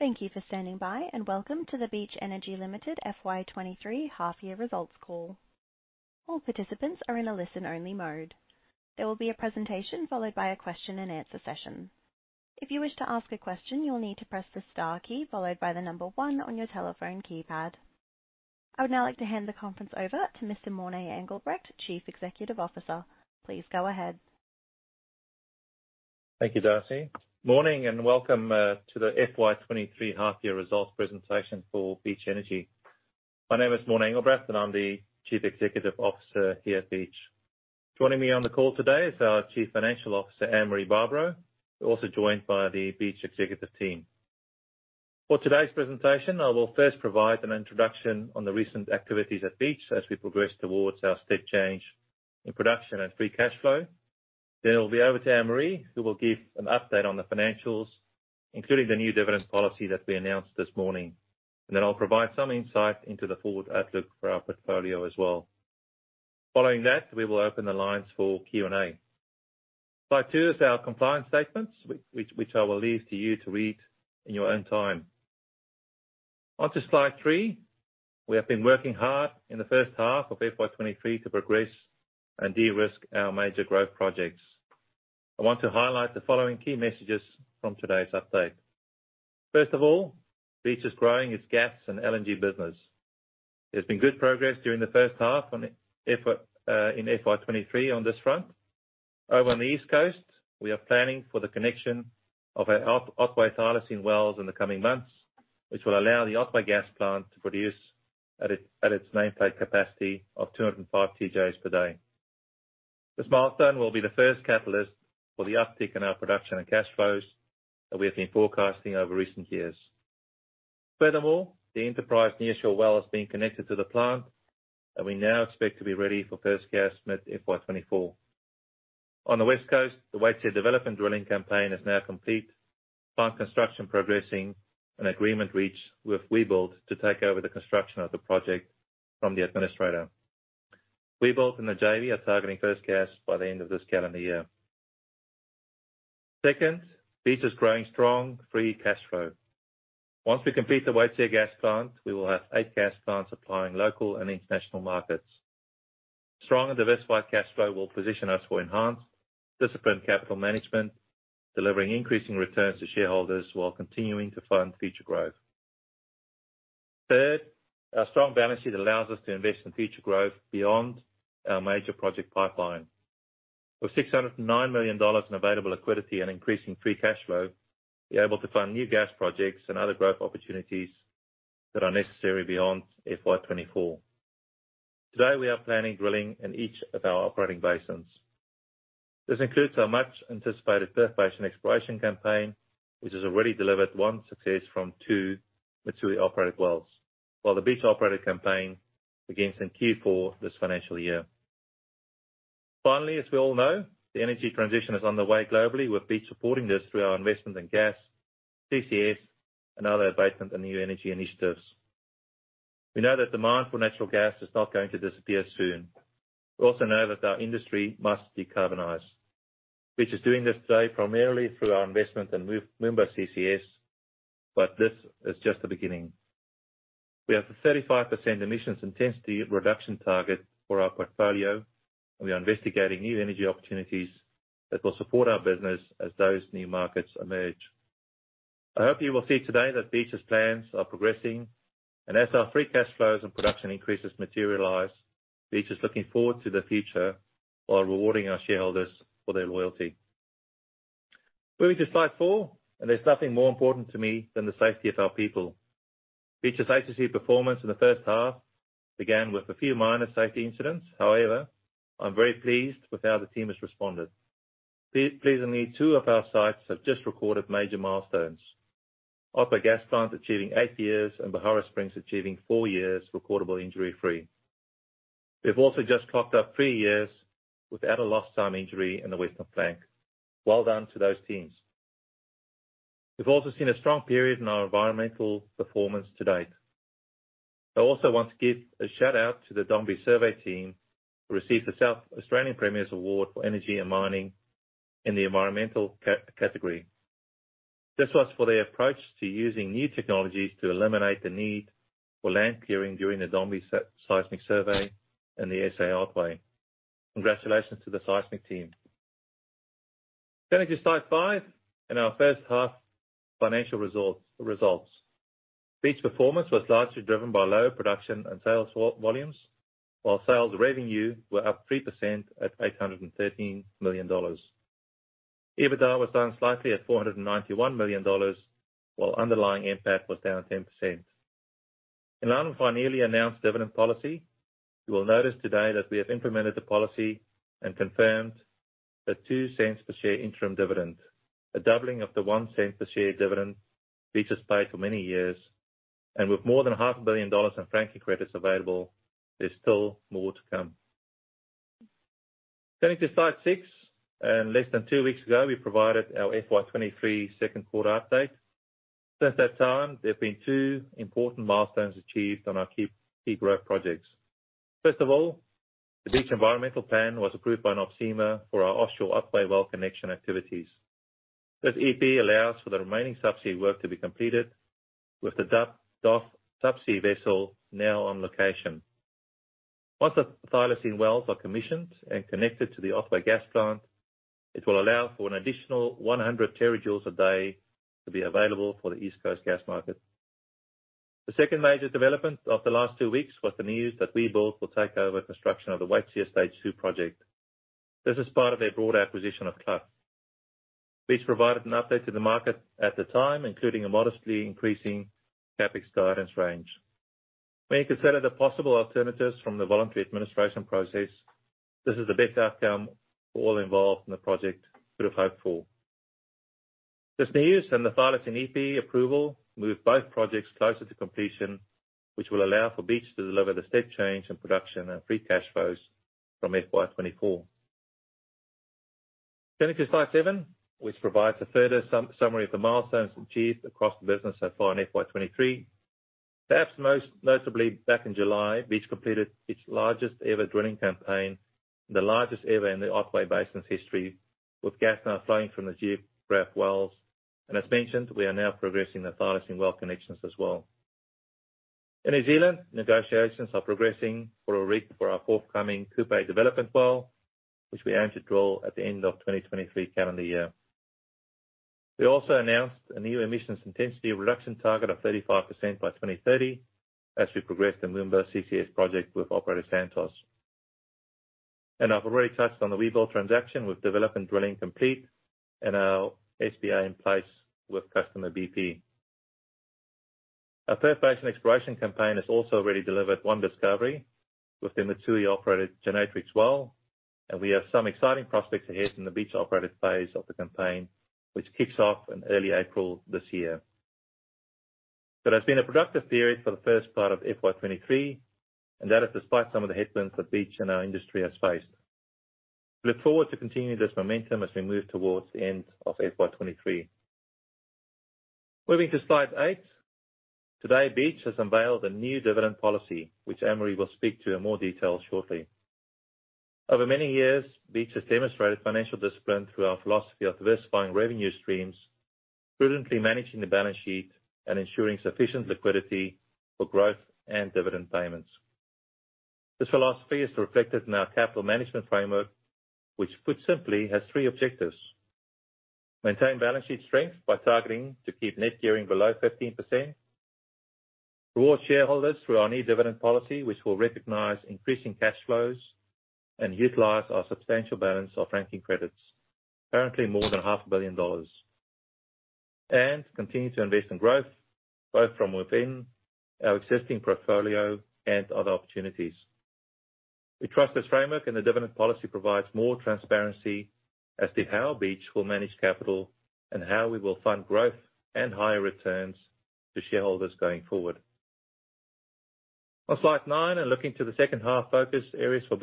Thank you for standing by, and welcome to the Beach Energy Limited FY 2023 Half Year Results Call. All participants are in a listen-only mode. There will be a presentation followed by a question-and-answer session. If you wish to ask a question, you will need to press the star key followed by the number one on your telephone keypad. I would now like to hand the conference over to Mr. Morné Engelbrecht, Chief Executive Officer. Please go ahead. Thank you, Darcy. Morning and welcome to the FY 2023 Half Year Results Presentation for Beach Energy. My name is Morné Engelbrecht, and I'm the Chief Executive Officer here at Beach. Joining me on the call today is our Chief Financial Officer, Anne-Marie Barbaro. We're also joined by the Beach executive team. For today's presentation, I will first provide an introduction on the recent activities at Beach as we progress towards our step change in production and free cash flow. Then it will be over to Anne-Marie, who will give an update on the financials, including the new dividend policy that we announced this morning. Then I'll provide some insight into the forward outlook for our portfolio as well. Following that, we will open the lines for Q&A. Slide two is our compliance statements, which I will leave to you to read in your own time. Onto slide three. We have been working hard in the first half of FY 2023 to progress and de-risk our major growth projects. I want to highlight the following key messages from today's update. First of all, Beach is growing its gas and LNG business. There's been good progress during the first half in FY 2023 on this front. Over on the East Coast, we are planning for the connection of our Otway Thylacine wells in the coming months, which will allow the Otway Gas Plant to produce at its nameplate capacity of 205 TJs per day. This milestone will be the first catalyst for the uptick in our production and cash flows that we have been forecasting over recent years. The Enterprise Nearshore well is being connected to the plant, and we now expect to be ready for first gas mid-FY 2024. On the West Coast, the Waitsia development drilling campaign is now complete. Plant construction progressing and agreement reached with Webuild to take over the construction of the project from the administrator. Webuild and the JV are targeting first gas by the end of this calendar year. Beach is growing strong free cash flow. Once we complete the Waitsia gas plant, we will have eight gas plants supplying local and international markets. Strong and diversified cash flow will position us for enhanced, disciplined capital management, delivering increasing returns to shareholders while continuing to fund future growth. Our strong balance sheet allows us to invest in future growth beyond our major project pipeline. With 609 million dollars in available liquidity and increasing free cash flow, we are able to fund new gas projects and other growth opportunities that are necessary beyond FY 2024. Today, we are planning drilling in each of our operating basins. This includes our much-anticipated Perth Basin exploration campaign, which has already delivered one success from two material operated wells. While the Beach operated campaign begins in Q4 this financial year. Finally, as we all know, the energy transition is underway globally, with Beach supporting this through our investment in gas, CCS and other abatement and new energy initiatives. We know that demand for natural gas is not going to disappear soon. We also know that our industry must decarbonize. Beach is doing this today primarily through our investment in Moomba CCS, but this is just the beginning. We have a 35% emissions intensity reduction target for our portfolio. We are investigating new energy opportunities that will support our business as those new markets emerge. I hope you will see today that Beach's plans are progressing and as our free cash flows and production increases materialize, Beach is looking forward to the future while rewarding our shareholders for their loyalty. Moving to slide four, there's nothing more important to me than the safety of our people. Beach's agency performance in the first half began with a few minor safety incidents. However, I'm very pleased with how the team has responded. Pleasantly, two of our sites have just recorded major milestones. Otway Gas Plant achieving eight years and Beharra Springs achieving four years recordable injury-free. We've also just clocked up three years without a lost time injury in the Western Flank. Well done to those teams. We've also seen a strong period in our environmental performance to date. I also want to give a shout-out to the Dombey survey team, who received the South Australian Premier's Award for Energy and Mining in the environmental category. This was for their approach to using new technologies to eliminate the need for land clearing during the Dombey seismic survey and the SA Otway. Congratulations to the seismic team. Going to slide five and our first half financial results. Beach performance was largely driven by lower production and sales volumes, while sales revenue were up 3% at 813 million dollars. EBITDA was down slightly at 491 million dollars, while underlying NPAT was down 10%. In line with our newly announced dividend policy, you will notice today that we have implemented the policy and confirmed the 0.02 per share interim dividend, a doubling of the 0.01 per share dividend Beach has paid for many years. With more than 500 million dollars in franking credits available, there's still more to come. Turning to slide six, less than two weeks ago, we provided our FY 2023 second quarter update. Since that time, there have been two important milestones achieved on our key growth projects. First of all, the Beach Environment Plan was approved by NOPSEMA for our offshore Otway well connection activities. This EP allows for the remaining subsea work to be completed with the Duff subsea vessel now on location. Once the Thylacine wells are commissioned and connected to the Otway Gas Plant, it will allow for an additional 100 TJ a day to be available for the east coast gas market. The second major development of the last two weeks was the news that Webuild will take over construction of the Waitsia stage two project. This is part of their broad acquisition of Clough. Beach provided an update to the market at the time, including a modestly increasing CapEx guidance range. When you consider the possible alternatives from the voluntary administration process, this is the best outcome all involved in the project could have hoped for. This news and the Thylacine EP approval move both projects closer to completion, which will allow for Beach to deliver the step change in production and free cash flows from FY 2024. Turning to slide seven, which provides a further summary of the milestones achieved across the business so far in FY 2023. Perhaps most notably, back in July, Beach completed its largest ever drilling campaign, the largest ever in the Otway Basin's history, with gas now flowing from the Geographe wells. As mentioned, we are now progressing the Thylacine well connections as well. In New Zealand, negotiations are progressing for a rig for our forthcoming Kupe Development Well, which we aim to drill at the end of 2023 calendar year. We also announced a new emissions intensity reduction target of 35% by 2030 as we progress the Moomba CCS project with operator Santos. I've already touched on the Webuild transaction with develop and drilling complete and our SBA in place with customer BP. Our third basin exploration campaign has also already delivered one discovery within the Tui operated Gennatrix well, and we have some exciting prospects ahead in the Beach operated phase of the campaign, which kicks off in early April this year. It has been a productive period for the first part of FY 2023, and that is despite some of the headwinds that Beach and our industry has faced. We look forward to continuing this momentum as we move towards the end of FY 2023. Moving to slide eight. Today, Beach has unveiled a new dividend policy, which Emery will speak to in more detail shortly. Over many years, Beach has demonstrated financial discipline through our philosophy of diversifying revenue streams, prudently managing the balance sheet and ensuring sufficient liquidity for growth and dividend payments. This philosophy is reflected in our capital management framework, which put simply, has three objectives: maintain balance sheet strength by targeting to keep net gearing below 15%, reward shareholders through our new dividend policy, which will recognize increasing cash flows and utilize our substantial balance of ranking credits, currently more than 500 million dollars, and continue to invest in growth both from within our existing portfolio and other opportunities. We trust this framework and the dividend policy provides more transparency as to how Beach will manage capital and how we will fund growth and higher returns to shareholders going forward. On slide 9, looking to the second half focus areas for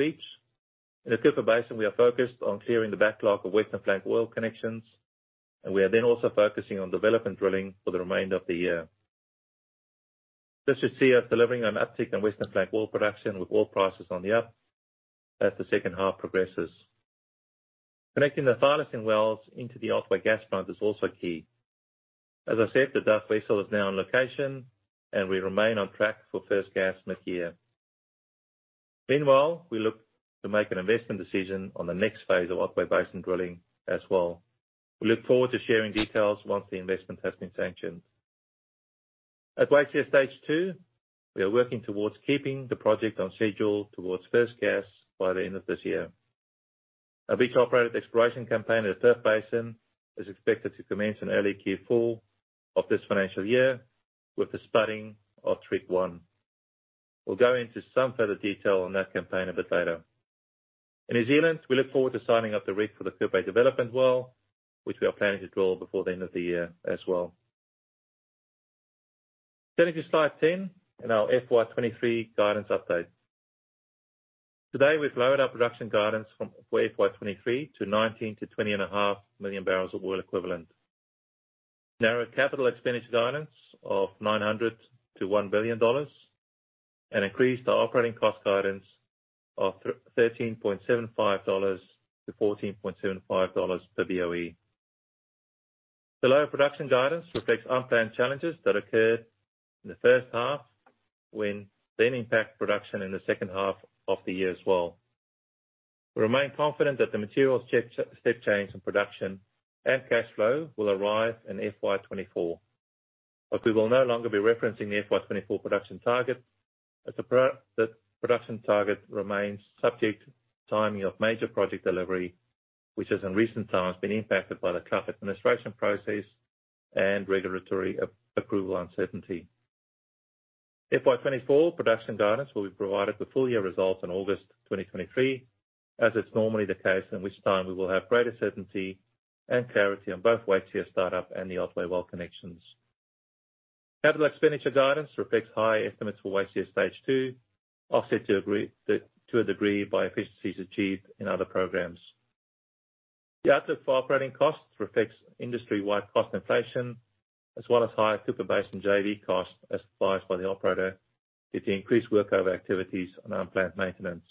Beach. In the Cooper Basin, we are focused on clearing the backlog of Western Flank oil connections. We are then also focusing on development drilling for the remainder of the year. This should see us delivering an uptick in Western Flank oil production with oil prices on the up as the second half progresses. Connecting the Thylacine wells into the Otway Gas Plant is also key. As I said, the Duff vessel is now on location and we remain on track for first gas mid-year. Meanwhile, we look to make an investment decision on the next phase of Otway Basin drilling as well. We look forward to sharing details once the investment has been sanctioned. At Waitsia stage two, we are working towards keeping the project on schedule towards first gas by the end of this year. Our Beach operated exploration campaign at the Perth Basin is expected to commence in early Q4 of this financial year with the spudding of Trigg 1. We'll go into some further detail on that campaign a bit later. In New Zealand, we look forward to signing up the rig for the Kupe development well, which we are planning to drill before the end of the year as well. Turning to slide 10 and our FY 2023 guidance update. Today, we've lowered our production guidance from FY 2023 to 19-20.5 MMboe. Narrowed CapEx guidance of 900 million-1 billion dollars and increased our operating cost guidance of 13.75-14.75 dollars per BOE. The lower production guidance reflects unplanned challenges that occurred in the first half when then impact production in the second half of the year as well. We remain confident that the material step change in production and cash flow will arrive in FY 2024. We will no longer be referencing the FY 2024 production target as the production target remains subject to timing of major project delivery, which has in recent times been impacted by the Clough administration process and regulatory approval uncertainty. FY 2024 production guidance will be provided with full year results in August 2023, as is normally the case, in which time we will have greater certainty and clarity on both Waitsia start up and the Otway well connections. Capital expenditure guidance reflects high estimates for Waitsia stage 2, offset to a degree by efficiencies achieved in other programs. The outlook for operating costs reflects industry-wide cost inflation, as well as higher Cooper Basin JV costs as advised by the operator due to increased workover activities and unplanned maintenance.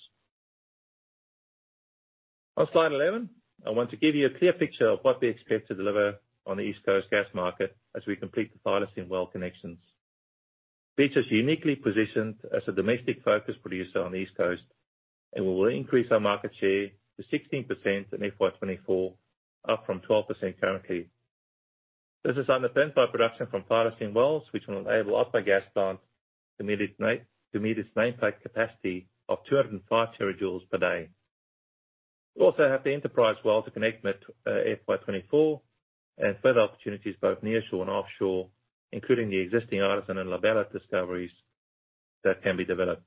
On slide 11, I want to give you a clear picture of what we expect to deliver on the east coast gas market as we complete the Thylacine well connections. Beach is uniquely positioned as a domestic-focused producer on the East Coast, we will increase our market share to 16% in FY 2024, up from 12% currently. This is underpinned by production from Thylacine wells, which will enable Otway Gas Plant to meet its nameplate capacity of 205 TJ per day. We also have the Enterprise well to connect with FY 2024 and further opportunities both nearshore and offshore, including the existing Artisan and La Bella discoveries that can be developed.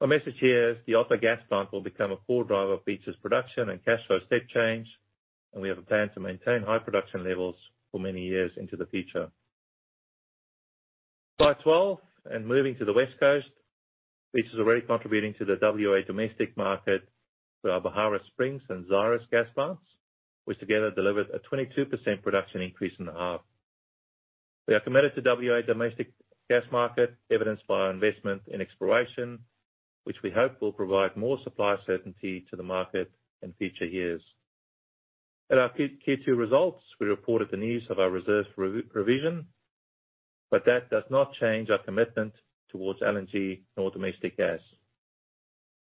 Our message here is the Alpha Gas Plant will become a core driver of Beach's production and cash flow step change. We have a plan to maintain high production levels for many years into the future. Slide 12. Moving to the West Coast. Beach is already contributing to the WA domestic market through our Beharra Springs and Xyris gas plants, which together delivered a 22% production increase in the half. We are committed to WA domestic gas market, evidenced by our investment in exploration, which we hope will provide more supply certainty to the market in future years. At our Q2 results, we reported the news of our reserve revision. That does not change our commitment towards LNG nor domestic gas.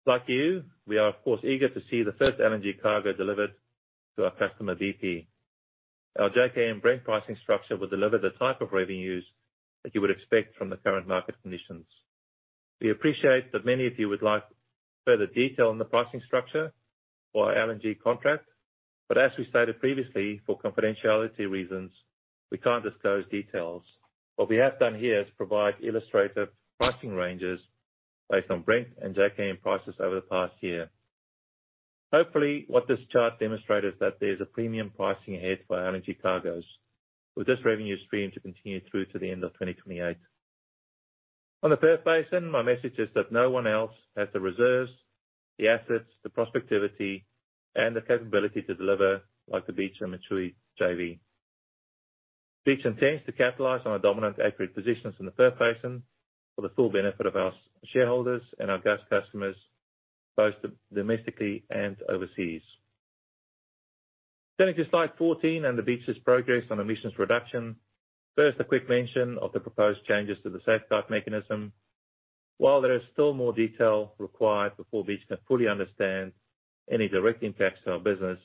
Like you, we are, of course, eager to see the first LNG cargo delivered to our customer, BP. Our JKM Brent pricing structure will deliver the type of revenues that you would expect from the current market conditions. As we stated previously, for confidentiality reasons, we can't disclose details. What we have done here is provide illustrative pricing ranges based on Brent and JKM prices over the past year. Hopefully, what this chart demonstrates is that there is a premium pricing ahead for LNG cargoes, with this revenue stream to continue through to the end of 2028. On the Perth Basin, my message is that no one else has the reserves, the assets, the prospectivity, and the capability to deliver like the Beach and Mitsui JV. Beach intends to capitalize on our dominant acreage positions in the Perth Basin for the full benefit of our shareholders and our gas customers, both domestically and overseas. Turning to slide 14 and the Beach's progress on emissions reduction. First, a quick mention of the proposed changes to the Safeguard Mechanism. While there is still more detail required before Beach can fully understand any direct impacts to our business,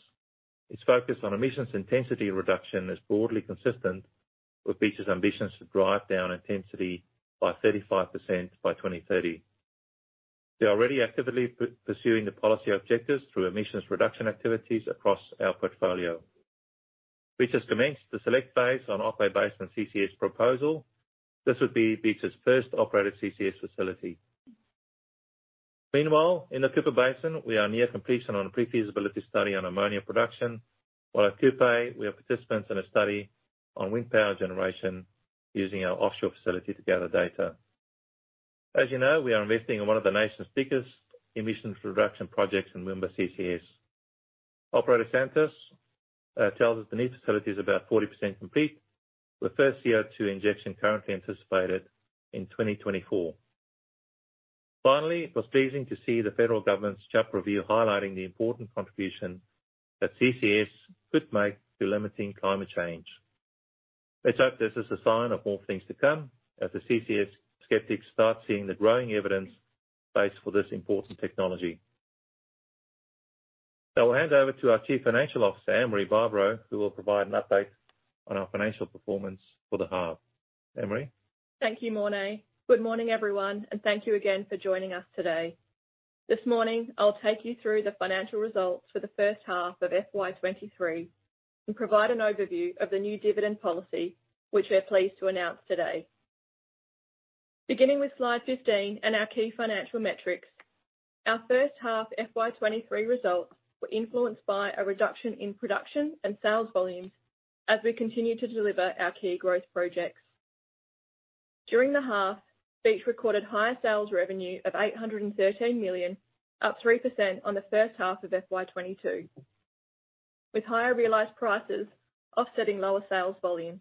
its focus on emissions intensity reduction is broadly consistent with Beach's ambitions to drive down intensity by 35% by 2030. We are already actively pursuing the policy objectives through emissions reduction activities across our portfolio. Beach has commenced the select phase on Otway Basin CCS proposal. This would be Beach's first operated CCS facility. Meanwhile, in the Cooper Basin, we are near completion on a pre-feasibility study on ammonia production. While at Kupe, we are participants in a study on wind power generation using our offshore facility to gather data. As you know, we are investing in one of the nation's biggest emissions reduction projects in Moomba CCS. Operator Santos tells us the new facility is about 40% complete with the first CO2 injection currently anticipated in 2024. It was pleasing to see the federal government's CSAP review highlighting the important contribution that CCS could make to limiting climate change. Let's hope this is a sign of more things to come as the CCS skeptics start seeing the growing evidence base for this important technology. I'll hand over to our Chief Financial Officer, Anne-Marie Barbaro, who will provide an update on our financial performance for the half. Anne-Marie? Thank you, Morné. Good morning, everyone. Thank you again for joining us today. This morning, I'll take you through the financial results for the first half of FY 2023 and provide an overview of the new dividend policy, which we're pleased to announce today. Beginning with slide 15 and our key financial metrics. Our first half FY 2023 results were influenced by a reduction in production and sales volumes as we continued to deliver our key growth projects. During the half, Beach recorded higher sales revenue of 813 million, up 3% on the first half of FY 2022, with higher realized prices offsetting lower sales volumes.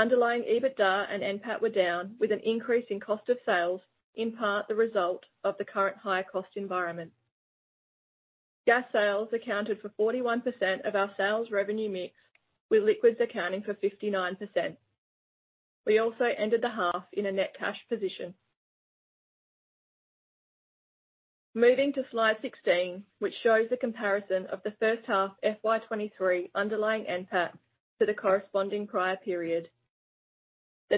Underlying EBITDA and NPAT were down with an increase in cost of sales, in part, the result of the current higher cost environment. Gas sales accounted for 41% of our sales revenue mix, with liquids accounting for 59%. We also ended the half in a net cash position. Moving to slide 16, which shows a comparison of the first half FY 2023 underlying NPAT to the corresponding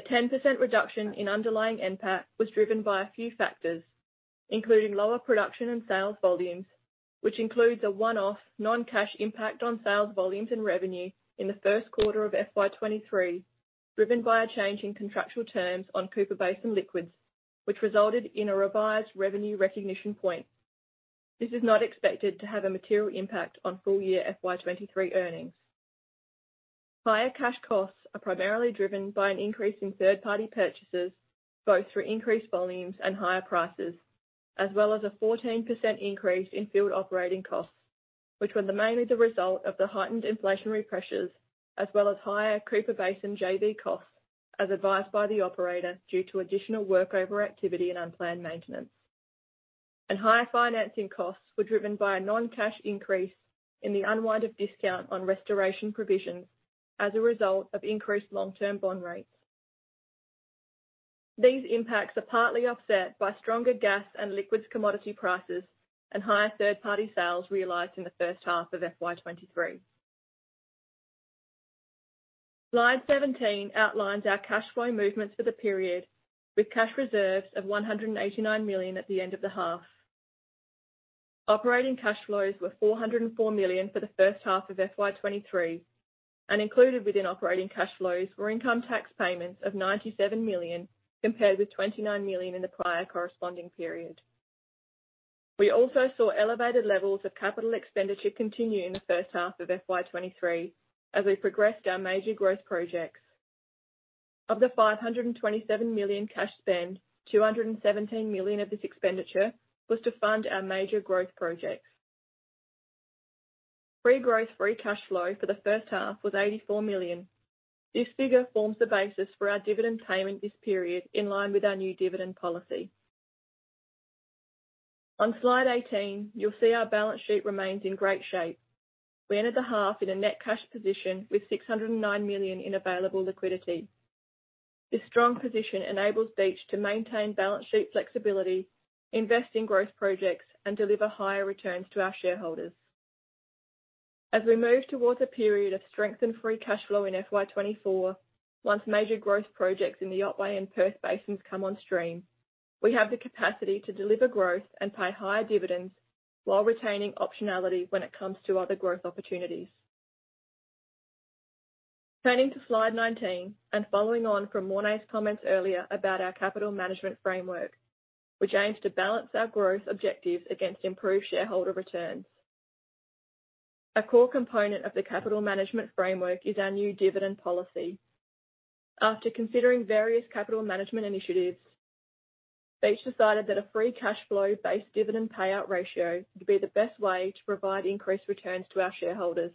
prior period. The 10% reduction in underlying NPAT was driven by a few factors, including lower production and sales volumes, which includes a one-off non-cash impact on sales volumes and revenue in the 1st quarter of FY 2023, driven by a change in contractual terms on Cooper Basin liquids, which resulted in a revised revenue recognition point. This is not expected to have a material impact on full year FY 2023 earnings. Higher cash costs are primarily driven by an increase in third-party purchases, both through increased volumes and higher prices, as well as a 14% increase in field operating costs, which were mainly the result of the heightened inflationary pressures, as well as higher Cooper Basin JV costs as advised by the operator due to additional work overactivity and unplanned maintenance. Higher financing costs were driven by a non-cash increase in the unwind of discount on restoration provisions as a result of increased long-term bond rates. These impacts are partly offset by stronger gas and liquids commodity prices and higher third-party sales realized in the first half of FY 2023. Slide 17 outlines our cash flow movements for the period, with cash reserves of 189 million at the end of the half. Operating cash flows were 404 million for the first half of FY 2023, and included within operating cash flows were income tax payments of 97 million, compared with 29 million in the prior corresponding period. We also saw elevated levels of capital expenditure continue in the first half of FY 2023 as we progressed our major growth projects. Of the 527 million cash spend, 217 million of this expenditure was to fund our major growth projects. Pre-growth free cash flow for the first half was 84 million. This figure forms the basis for our dividend payment this period, in line with our new dividend policy. On slide 18, you'll see our balance sheet remains in great shape. We entered the half in a net cash position with 609 million in available liquidity. This strong position enables Beach to maintain balance sheet flexibility, invest in growth projects, and deliver higher returns to our shareholders. As we move towards a period of strengthened free cash flow in FY 2024, once major growth projects in the Otway and Perth Basins come on stream, we have the capacity to deliver growth and pay higher dividends while retaining optionality when it comes to other growth opportunities. Turning to slide 19 and following on from Morné's comments earlier about our capital management framework, which aims to balance our growth objectives against improved shareholder returns. A core component of the capital management framework is our new dividend policy. After considering various capital management initiatives, Beach decided that a free cash flow-based dividend payout ratio would be the best way to provide increased returns to our shareholders.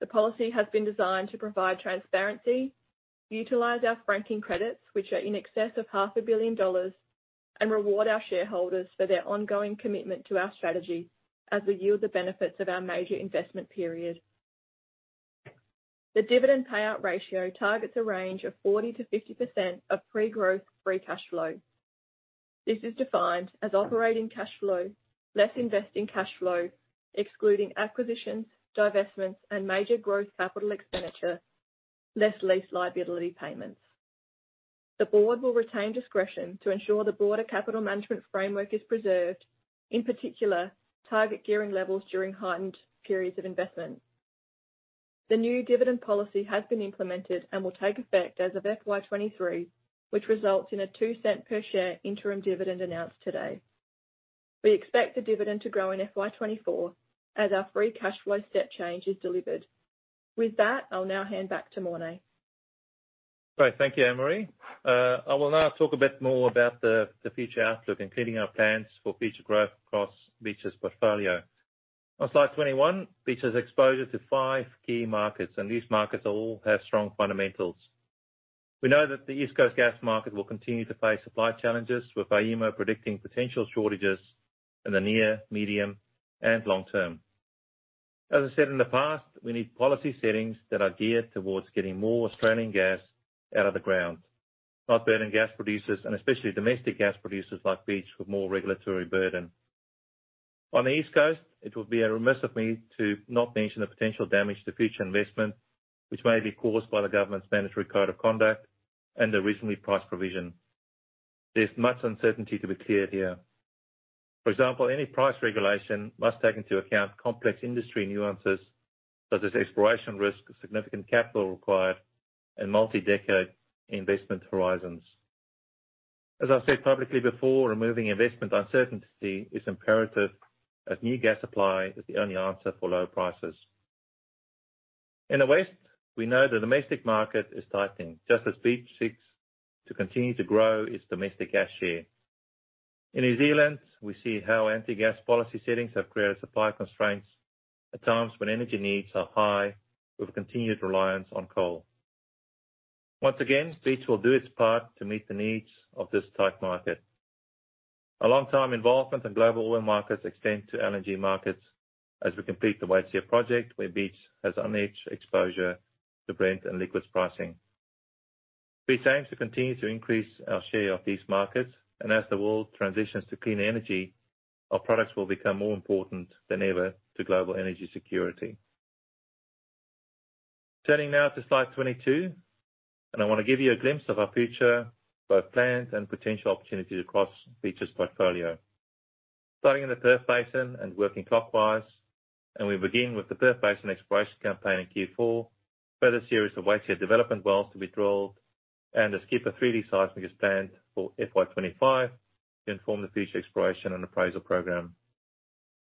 The policy has been designed to provide transparency, utilize our franking credits, which are in excess of 500 million dollars, and reward our shareholders for their ongoing commitment to our strategy as we yield the benefits of our major investment period. The dividend payout ratio targets a range of 40%-50% of pre-growth free cash flow. This is defined as operating cash flow, less investing cash flow, excluding acquisitions, divestments, and major growth capital expenditure, less lease liability payments. The board will retain discretion to ensure the broader capital management framework is preserved, in particular, target gearing levels during heightened periods of investment. The new dividend policy has been implemented and will take effect as of FY 2023, which results in an 0.02 per share interim dividend announced today. We expect the dividend to grow in FY 2024 as our free cash flow step change is delivered. With that, I'll now hand back to Morné. Great. Thank you, Anne-Marie. I will now talk a bit more about the future outlook, including our plans for future growth across Beach's portfolio. On slide 21, Beach's exposure to five key markets. These markets all have strong fundamentals. We know that the east coast gas market will continue to face supply challenges, with AEMO predicting potential shortages in the near, medium, and long term. As I said in the past, we need policy settings that are geared towards getting more Australian gas out of the ground, not burdening gas producers and especially domestic gas producers like Beach, with more regulatory burden. On the East Coast, it would be remiss of me to not mention the potential damage to future investment which may be caused by the government's mandatory code of conduct and the reasonable price provision. There's much uncertainty to be cleared here. For example, any price regulation must take into account complex industry nuances such as exploration risk, significant capital required, and multi-decade investment horizons. As I said publicly before, removing investment uncertainty is imperative, as new gas supply is the only answer for low prices. In the West, we know the domestic market is tightening, just as Beach seeks to continue to grow its domestic gas share. In New Zealand, we see how anti-gas policy settings have created supply constraints at times when energy needs are high with continued reliance on coal. Once again, Beach will do its part to meet the needs of this tight market. Our long-time involvement in global oil markets extend to LNG markets as we complete the Waitsia project, where Beach has unhedged exposure to Brent and liquids pricing. Beach aims to continue to increase our share of these markets. As the world transitions to clean energy, our products will become more important than ever to global energy security. Turning now to slide 22, I want to give you a glimpse of our future, both plans and potential opportunities across Beach's portfolio. Starting in the Perth Basin and working clockwise, we begin with the Perth Basin exploration campaign in Q4, further series of Waitsia development wells to be drilled, and a Skipper 3D seismic is planned for FY 2025 to inform the future exploration and appraisal program.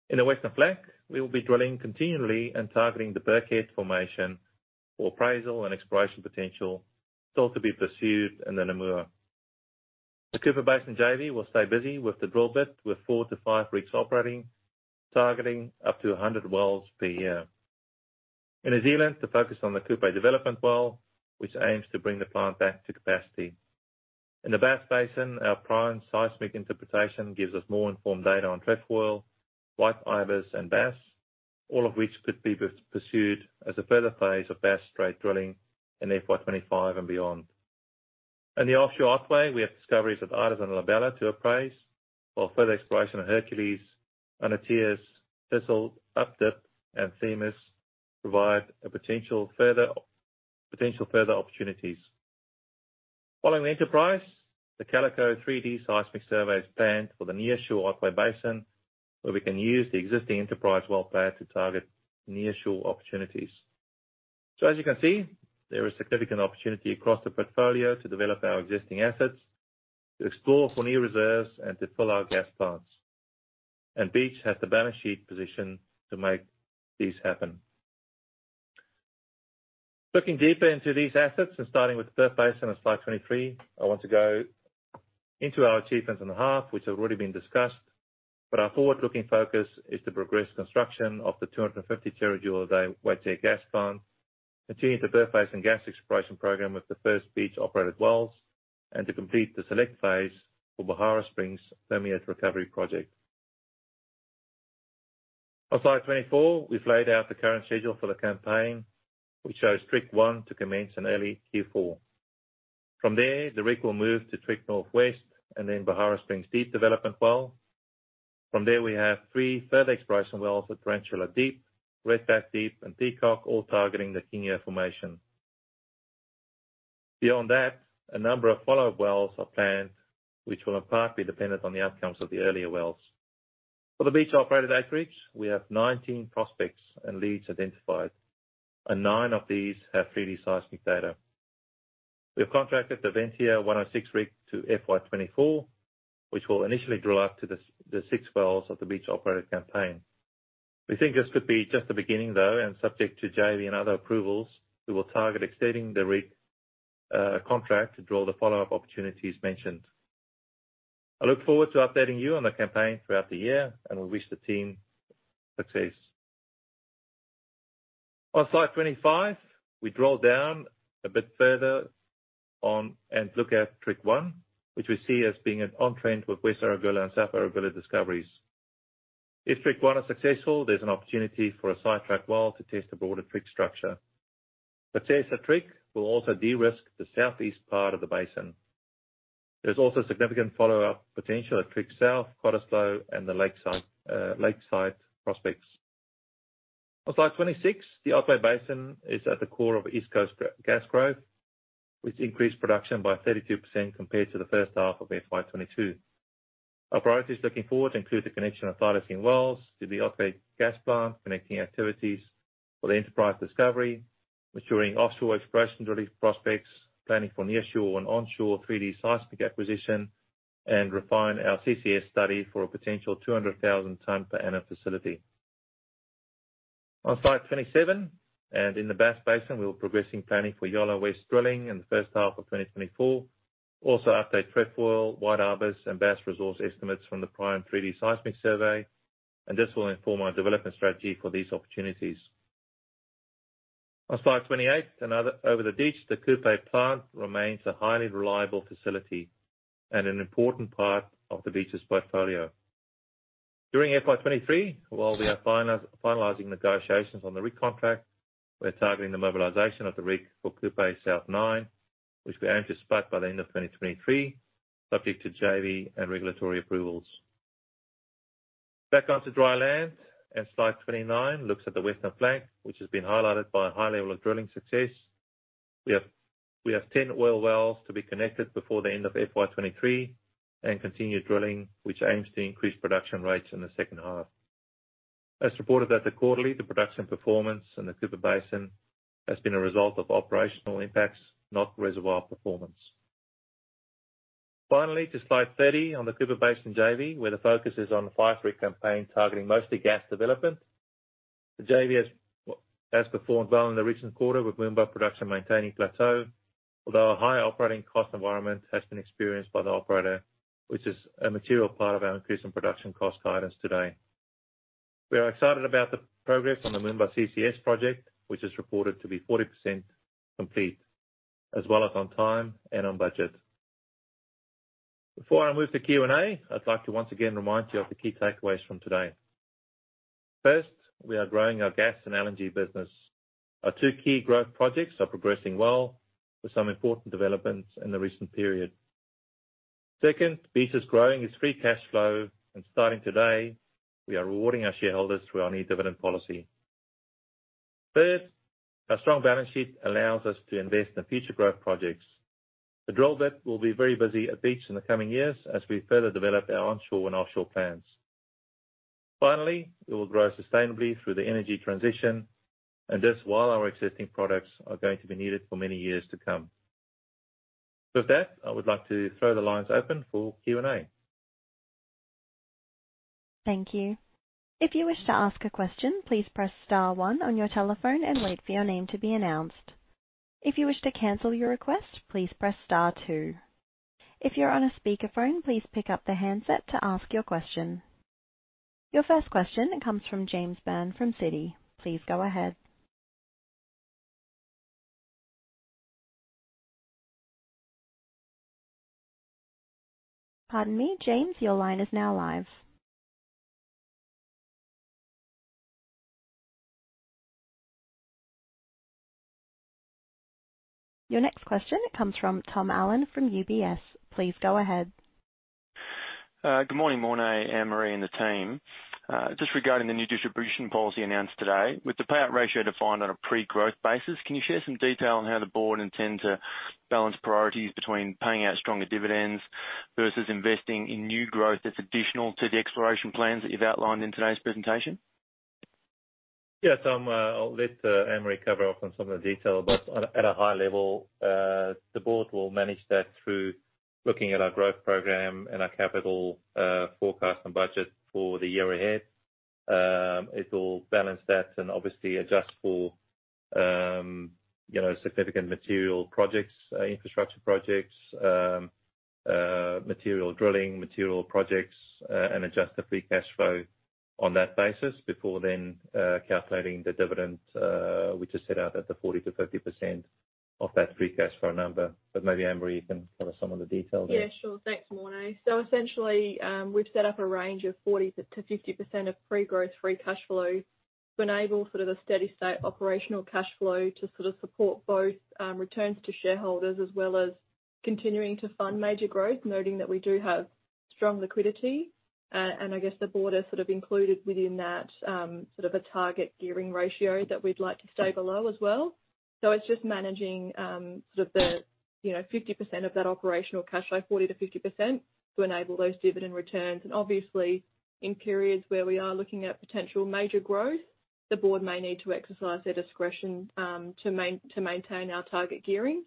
In the Western Flank, we will be drilling continually and targeting the Birkhead formation for appraisal and exploration potential, still to be pursued in the Namur. The Cooper Basin JV will stay busy with the drill bit with four to five rigs operating, targeting up to 100 wells per year. In New Zealand, the focus on the Kupe development well, which aims to bring the plant back to capacity. In the Bass Basin, our Prime seismic interpretation gives us more informed data on Trefoil, White Ibis, and Bass, all of which could be pursued as a further phase of Bass Strait drilling in FY 2025 and beyond. In the Offshore Otway, we have discoveries of Iris and La Bella to appraise for further exploration of Hercules, Anatolia, Thistle, Updip, and Themis provide potential further opportunities. Following the Enterprise, the Calico 3D seismic survey is planned for the nearshore Otway Basin, where we can use the existing Enterprise well plan to target nearshore opportunities. As you can see, there is significant opportunity across the portfolio to develop our existing assets, to explore for new reserves, and to fill our gas plants. Beach has the balance sheet position to make this happen. Looking deeper into these assets and starting with the Perth Basin on slide 23, I want to go into our achievements in the half, which have already been discussed, but our forward-looking focus is to progress construction of the 250 TJ a day Waitsia gas plant, continue the Perth Basin gas exploration program with the first Beach-operated wells, and to complete the select phase for Beharra Springs Permeate Recovery Project. On slide 24, we've laid out the current schedule for the campaign, which shows Trigg 1 to commence in early Q4. From there, the rig will move to Trigg Northwest and then Beharra Springs deep development well. From there, we have three further exploration wells at Tarantula Deep, Redback Deep, and Peacock, all targeting the Kingia formation. Beyond that, a number of follow-up wells are planned, which will in part be dependent on the outcomes of the earlier wells. For the Beach-operated acreage, we have 19 prospects and leads identified, and nine of these have 3D seismic data. We have contracted the Ventia 106 rig to FY 2024, which will initially drill up to the six wells of the Beach-operated campaign. We think this could be just the beginning though, and subject to JV and other approvals, we will target extending the rig contract to drill the follow-up opportunities mentioned. I look forward to updating you on the campaign throughout the year and we wish the team success. On slide 25, we drill down a bit further on and look at Trigg 1, which we see as being an on-trend with West Erregulla and South Erregulla discoveries. If Trigg 1 is successful, there's an opportunity for a sidetrack well to test the broader Trigg structure. Success at Trigg will also de-risk the southeast part of the basin. There's also significant follow-up potential at Trigg South, Quarter Slow, and the lakeside prospects. On slide 26, the Otway Basin is at the core of east coast gas growth, which increased production by 32% compared to the first half of FY 2022. Our priorities looking forward include the connection of Thylacine wells to the Otway Gas Plant, connecting activities for the Enterprise discovery, maturing offshore exploration to release prospects, planning for nearshore and onshore 3D seismic acquisition, and refine our CCS study for a potential 200,000 ton per annum facility. On slide 27, in the Bass Basin, we're progressing planning for Yolla West drilling in the first half of 2024. Also update Trefoil, White Ibis, and Bass resource estimates from the Prime 3D seismic survey, this will inform our development strategy for these opportunities. On slide 28, over the ditch, the Kupe Plant remains a highly reliable facility and an important part of the Beach's portfolio. During FY 2023, while we are finalizing negotiations on the rig contract, we're targeting the mobilization of the rig for Kupe South 9, which we aim to start by the end of 2023, subject to JV and regulatory approvals. Back onto dry land, slide 29 looks at the Western Flank, which has been highlighted by a high level of drilling success. We have 10 oil wells to be connected before the end of FY 2023 and continued drilling, which aims to increase production rates in the second half. As reported at the quarterly, the production performance in the Cooper Basin has been a result of operational impacts, not reservoir performance. Finally, to slide 30 on the Cooper Basin JV, where the focus is on the five rig campaign targeting mostly gas development. The JV has performed well in the recent quarter with Moomba production maintaining plateau, although a higher operating cost environment has been experienced by the operator, which is a material part of our increase in production cost guidance today. We are excited about the progress on the Moomba CCS project, which is reported to be 40% complete, as well as on time and on budget. Before I move to Q&A, I'd like to once again remind you of the key takeaways from today. First, we are growing our gas and LNG business. Our two key growth projects are progressing well with some important developments in the recent period. Second, Beach is growing its free cash flow, and starting today, we are rewarding our shareholders through our new dividend policy. Third, our strong balance sheet allows us to invest in future growth projects. The drill bit will be very busy at Beach in the coming years as we further develop our onshore and offshore plans. Finally, we will grow sustainably through the energy transition, and thus while our existing products are going to be needed for many years to come. With that, I would like to throw the lines open for Q&A. Thank you. If you wish to ask a question, please press star one on your telephone and wait for your name to be announced. If you wish to cancel your request, please press star two. If you're on a speakerphone, please pick up the handset to ask your question. Your first question comes from James Byrne from Citi. Please go ahead. Pardon me, James. Your line is now live. Your next question comes from Tom Allen from UBS. Please go ahead. Good morning, Morné, Anne-Marie, and the team. Just regarding the new distribution policy announced today. With the payout ratio defined on a pre-growth basis, can you share some detail on how the board intends to balance priorities between paying out stronger dividends versus investing in new growth that's additional to the exploration plans that you've outlined in today's presentation? Yeah, Tom, I'll let Anne-Marie cover off on some of the detail. At a high level, the board will manage that through looking at our growth program and our capital forecast and budget for the year ahead. It will balance that and obviously adjust for, you know, significant material projects, infrastructure projects, material drilling, material projects, and adjust the free cash flow on that basis before then calculating the dividend, which is set out at the 40%-50% of that free cash flow number. Maybe, Anne-Marie, you can cover some of the detail there. Yeah, sure. Thanks, Morné. Essentially, we've set up a range of 40%-50% of pre-growth free cash flow to enable sort of a steady state operational cash flow to sort of support both returns to shareholders, as well as continuing to fund major growth, noting that we do have strong liquidity. I guess the board has sort of included within that sort of a target gearing ratio that we'd like to stay below as well. It's just managing, you know, 50% of that operational cash flow, 40%-50%, to enable those dividend returns. Obviously, in periods where we are looking at potential major growth, the board may need to exercise their discretion to maintain our target gearing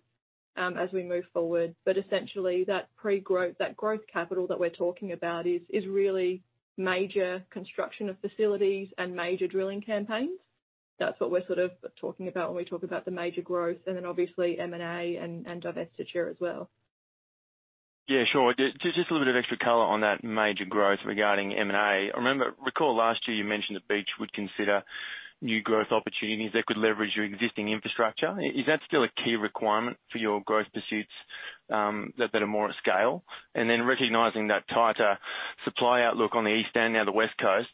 as we move forward. Essentially that growth capital that we're talking about is really major construction of facilities and major drilling campaigns. That's what we're sort of talking about when we talk about the major growth and then obviously M&A and divestiture as well. Yeah, sure. Just a little bit of extra color on that major growth regarding M&A. I recall last year you mentioned that Beach would consider new growth opportunities that could leverage your existing infrastructure. Is that still a key requirement for your growth pursuits, that are more at scale? Recognizing that tighter supply outlook on the East and now the West Coasts,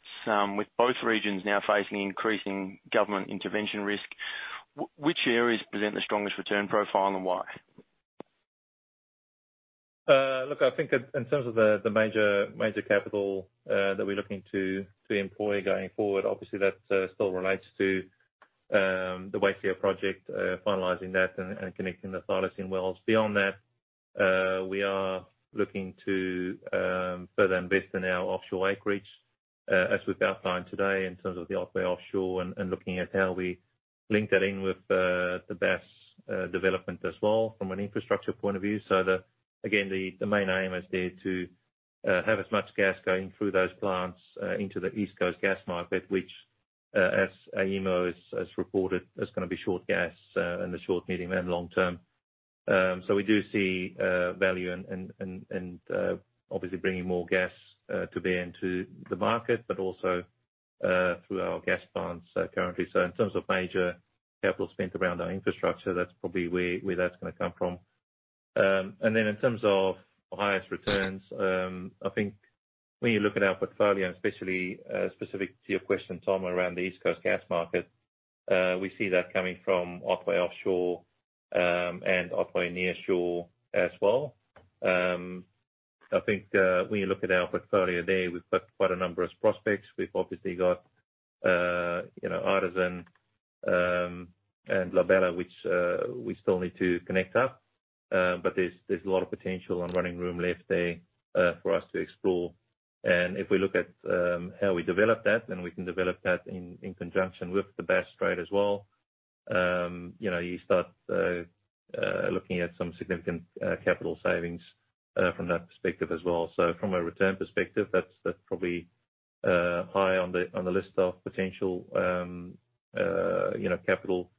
with both regions now facing increasing government intervention risk, which areas present the strongest return profile and why? Look, I think in terms of the major capital that we're looking to employ going forward, obviously that still relates to the Whale Clear project, finalizing that and connecting the Thylacine wells. Beyond that, we are looking to further invest in our offshore acreage as we've outlined today in terms of the Artisan offshore and looking at how we link that in with the Bass development as well from an infrastructure point of view. Again, the main aim is there to have as much gas going through those plants into the east coast gas market, which as AEMO has reported, is gonna be short gas in the short, medium, and long term. in obviously bringing more gas to bear into the market, but also through our gas plants currently. In terms of major capital spent around our infrastructure, that's probably where that's going to come from. And then in terms of highest returns, I think when you look at our portfolio, and especially specific to your question, Tom, around the east coast gas market, we see that coming from Artisan offshore and Arthur near shore as well. I think when you look at our portfolio there, we've got quite a number of prospects. We've obviously got, you know, Artisan and La Bella, which we still need to connect up. But there's a lot of potential and running room left there for us to explore. If we look at how we develop that, then we can develop that in conjunction with the Bass Strait as well. You know, you start looking at some significant capital savings from that perspective as well. From a return perspective, that's probably high on the list of potential, you know, capital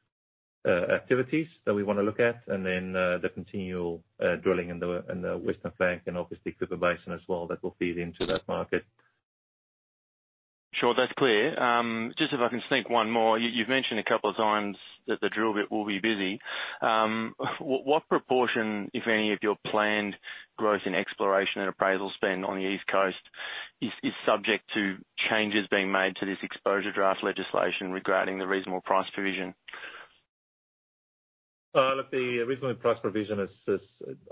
activities that we wanna look at. Then the continual drilling in the Western Flank and obviously Cooper Basin as well, that will feed into that market. Sure. That's clear. Just if I can sneak one more. You've mentioned a couple of times that the drill bit will be busy. What proportion, if any, of your planned growth in exploration and appraisal spend on the East Coast is subject to changes being made to this exposure draft legislation regarding the reasonable price provision? Look, the reasonable price provision is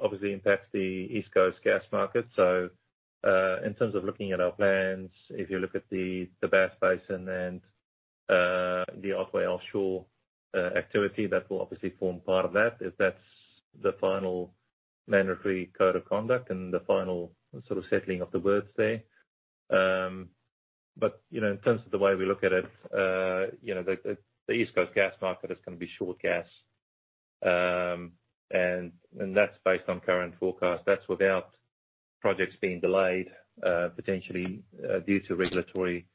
obviously impacts the east coast gas market. In terms of looking at our plans, if you look at the Bass Basin and the Artisan offshore activity, that will obviously form part of that, if that's the final mandatory code of conduct and the final sort of settling of the words there. You know, in terms of the way we look at it, you know, the east coast gas market is gonna be short gas. That's based on current forecast. That's without projects being delayed, potentially, due to regulatory,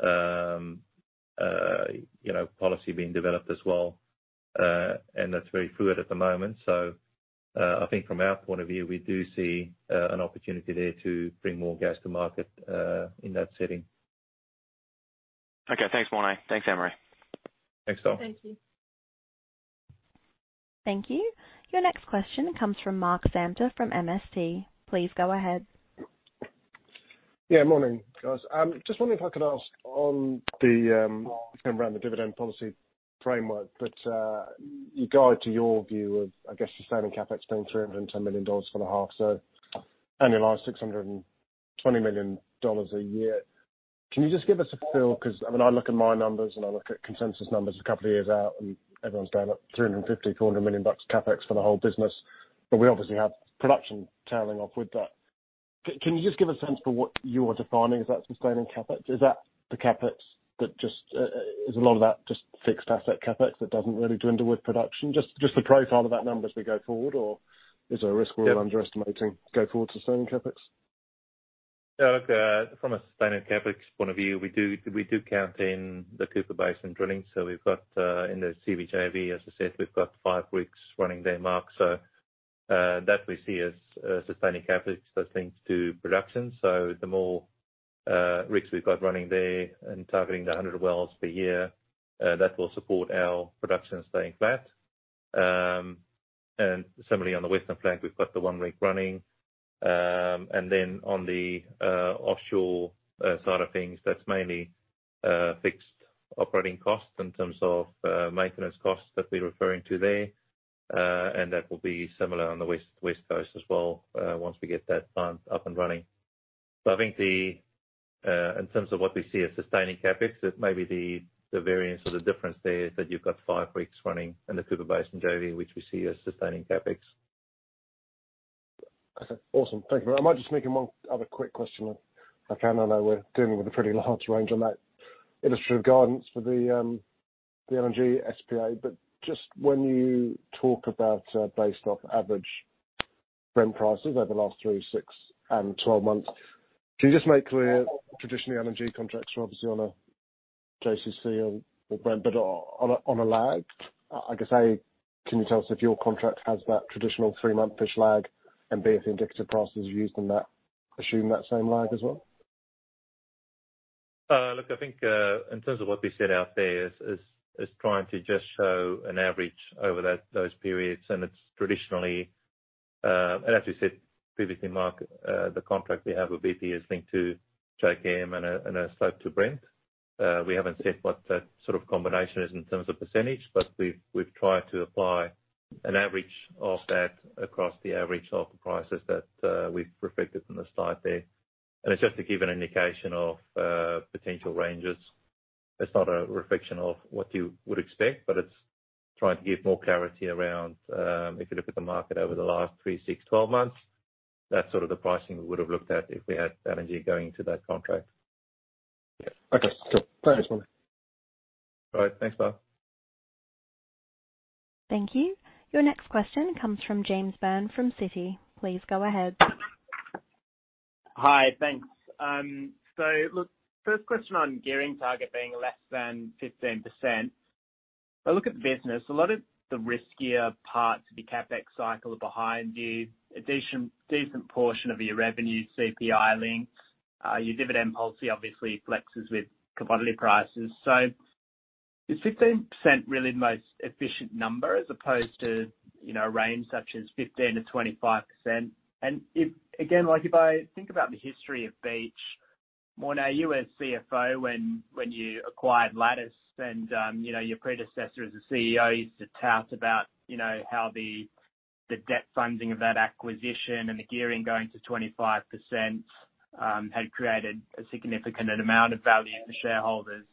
you know, policy being developed as well. That's very fluid at the moment. I think from our point of view, we do see an opportunity there to bring more gas to market in that setting. Okay. Thanks, Morné. Thanks, Anne-Marie. Thanks, Phil. Thank you. Thank you. Your next question comes from Mark Samter from MST. Please go ahead. Morning, guys. Just wondering if I could ask on the around the dividend policy framework, you guide to your view of the spending CapEx being 310 million dollars for the half, so annualize 620 million dollars a year. Can you just give us a feel? I look at my numbers, I look at consensus numbers a couple of years out, everyone's going at 350 million-400 million bucks CapEx for the whole business, we obviously have production tailing off with that. Can you just give a sense for what you're defining as that sustaining CapEx? Is that the CapEx that just is a lot of that just fixed asset CapEx that doesn't really dwindle with production? Just the profile of that number as we go forward, or is there a risk-? Yeah. we're underestimating go forward to sustaining CapEx? Yeah. Look, from a sustaining CapEx point of view, we do count in the Cooper Basin drilling. We've got, in the CB JV, as I said, we've got five rigs running there, Mark, that we see as sustaining CapEx that links to production. The more rigs we've got running there and targeting the 100 wells per year, that will support our production staying flat. Similarly on the western flank, we've got the one rig running. Then on the offshore side of things, that's mainly fixed operating costs in terms of maintenance costs that we're referring to there. That will be similar on the west coast as well, once we get that plant up and running. I think the... In terms of what we see as sustaining CapEx, it may be the variance or the difference there is that you've got five rigs running in the Cooper Basin JV, which we see as sustaining CapEx. Okay. Awesome. Thank you. I might just make one other quick question, if I can. I know we're dealing with a pretty large range on that illustrative guidance for the energy SPA. Just when you talk about, based off average Brent prices over the last three, six, and 12 months, can you just make clear traditionally energy contracts are obviously on a JCC or Brent, on a lag. I guess, A, can you tell us if your contract has that traditional three month-ish lag? B, if the indicative prices you used in that assume that same lag as well? Look, I think, in terms of what we set out there is trying to just show an average over those periods. It's traditionally, and as we said previously, Mark, the contract we have with BP is linked to JKM and a slope to Brent. We haven't said what that sort of combination is in terms of percentage, but we've tried to apply an average of that across the average of the prices that we've reflected in the slide there. It's just to give an indication of potential ranges. It's not a reflection of what you would expect, but it's trying to give more clarity around, if you look at the market over the last three, six, 12 months, that's sort of the pricing we would have looked at if we had energy going into that contract. Yeah. Okay, cool. Thanks, Morné. All right. Thanks, Mark. Thank you. Your next question comes from James Byrne from Citi. Please go ahead. Hi. Thanks. look, first question on gearing target being less than 15%. I look at the business, a lot of the riskier parts of the CapEx cycle are behind you. decent portion of your revenue, CPI link. your dividend policy obviously flexes with commodity prices. Is 15% really the most efficient number as opposed to, you know, a range such as 15%-25%? again, like, if I think about the history of Beach, Morné, you were CFO when you acquired Lattice and, you know, your predecessor as a CEO used to tout about, you know, how the debt funding of that acquisition and the gearing going to 25%, had created a significant amount of value for shareholders.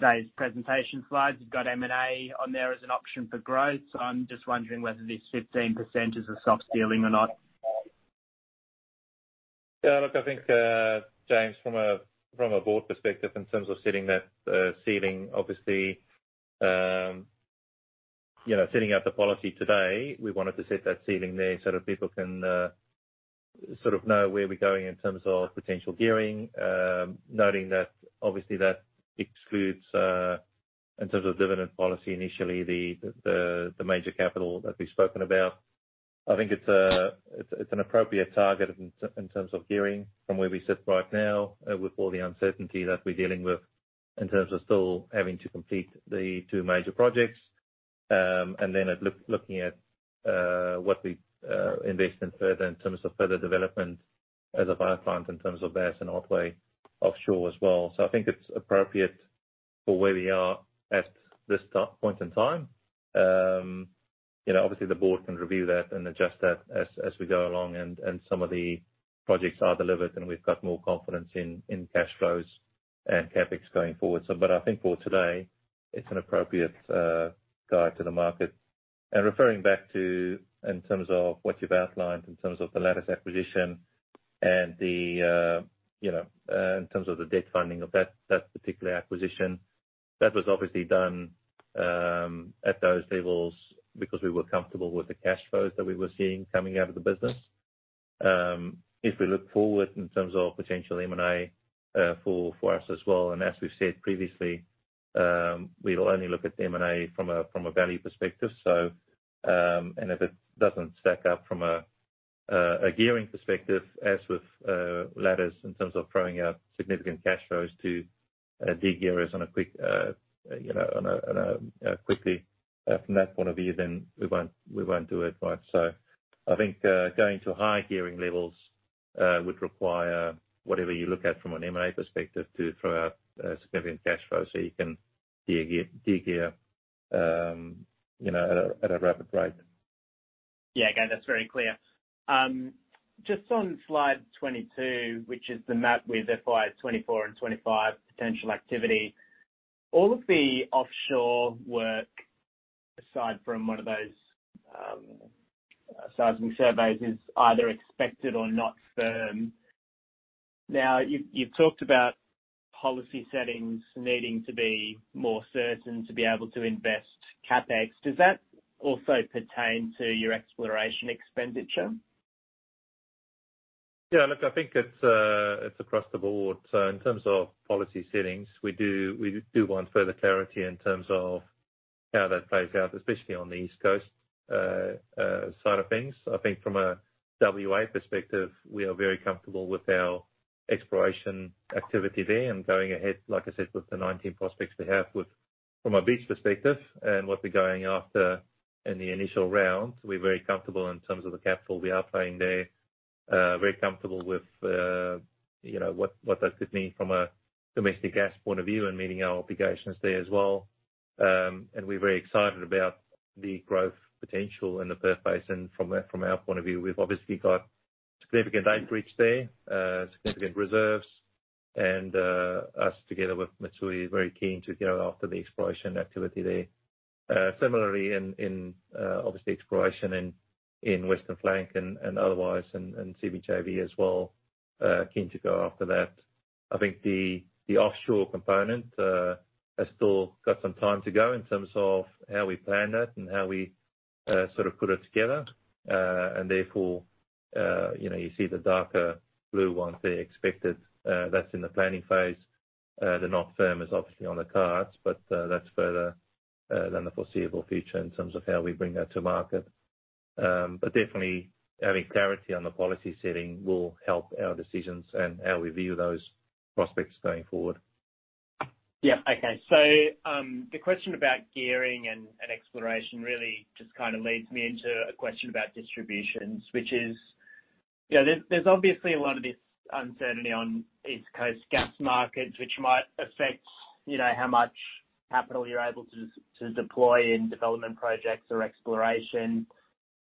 Today's presentation slides, you've got M&A on there as an option for growth. I'm just wondering whether this 15% is a soft ceiling or not. Yeah. Look, I think, James, from a board perspective, in terms of setting that ceiling, obviously, you know, setting out the policy today, we wanted to set that ceiling there so that people can sort of know where we're going in terms of potential gearing, noting that obviously that excludes in terms of dividend policy, initially the major capital that we've spoken about. I think it's an appropriate target in terms of gearing from where we sit right now, with all the uncertainty that we're dealing with in terms of still having to complete the two major projects. Looking at what we invest in further in terms of further development as a buyer client in terms of Bass and Otway Offshore as well. I think it's appropriate for where we are at this point in time. you know, obviously the board can review that and adjust that as we go along and some of the projects are delivered and we've got more confidence in cash flows and CapEx going forward. I think for today it's an appropriate guide to the market. Referring back to in terms of what you've outlined in terms of the Lattice acquisition and the, you know, in terms of the debt funding of that particular acquisition, that was obviously done at those levels because we were comfortable with the cash flows that we were seeing coming out of the business. If we look forward in terms of potential M&A for us as well, and as we've said previously, we'll only look at the M&A from a value perspective. And if it doesn't stack up from a gearing perspective as with Lattice in terms of throwing out significant cash flows to de-gear us on a quick, you know, on a quickly from that point of view, then we won't do it, right? I think going to higher gearing levels would require whatever you look at from an M&A perspective to throw out significant cash flow so you can de-gear, you know, at a rapid rate. Yeah. Okay. That's very clear. Just on slide 22, which is the map with FY 2024 and 2025 potential activity. All of the offshore work, aside from one of those seismic surveys, is either expected or not firm. You've talked about policy settings needing to be more certain to be able to invest CapEx. Does that also pertain to your exploration expenditure? Yeah, look, I think it's across the board. In terms of policy settings, we do want further clarity in terms of how that plays out, especially on the east coast side of things. I think from a WA perspective, we are very comfortable with our exploration activity there and going ahead, like I said, with the 19 prospects we have from a Beach perspective and what we're going after in the initial round, we're very comfortable in terms of the capital we are playing there. Very comfortable with, you know, what that could mean from a domestic gas point of view and meeting our obligations there as well. And we're very excited about the growth potential in the Perth Basin from our, from our point of view. We've obviously got significant outreach there, significant reserves and us together with Mitsui, very keen to go after the exploration activity there. Similarly in, obviously exploration in Western Flank and otherwise in CB JV as well, keen to go after that. I think the offshore component has still got some time to go in terms of how we plan that and how we sort of put it together. Therefore, you know, you see the darker blue ones there expected, that's in the planning phase. The not firm is obviously on the cards, but that's further than the foreseeable future in terms of how we bring that to market. Definitely having clarity on the policy setting will help our decisions and how we view those prospects going forward. Okay. The question about gearing and exploration really just kind of leads me into a question about distributions, which is. There's obviously a lot of this uncertainty on East Coast gas markets, which might affect, you know, how much capital you're able to deploy in development projects or exploration.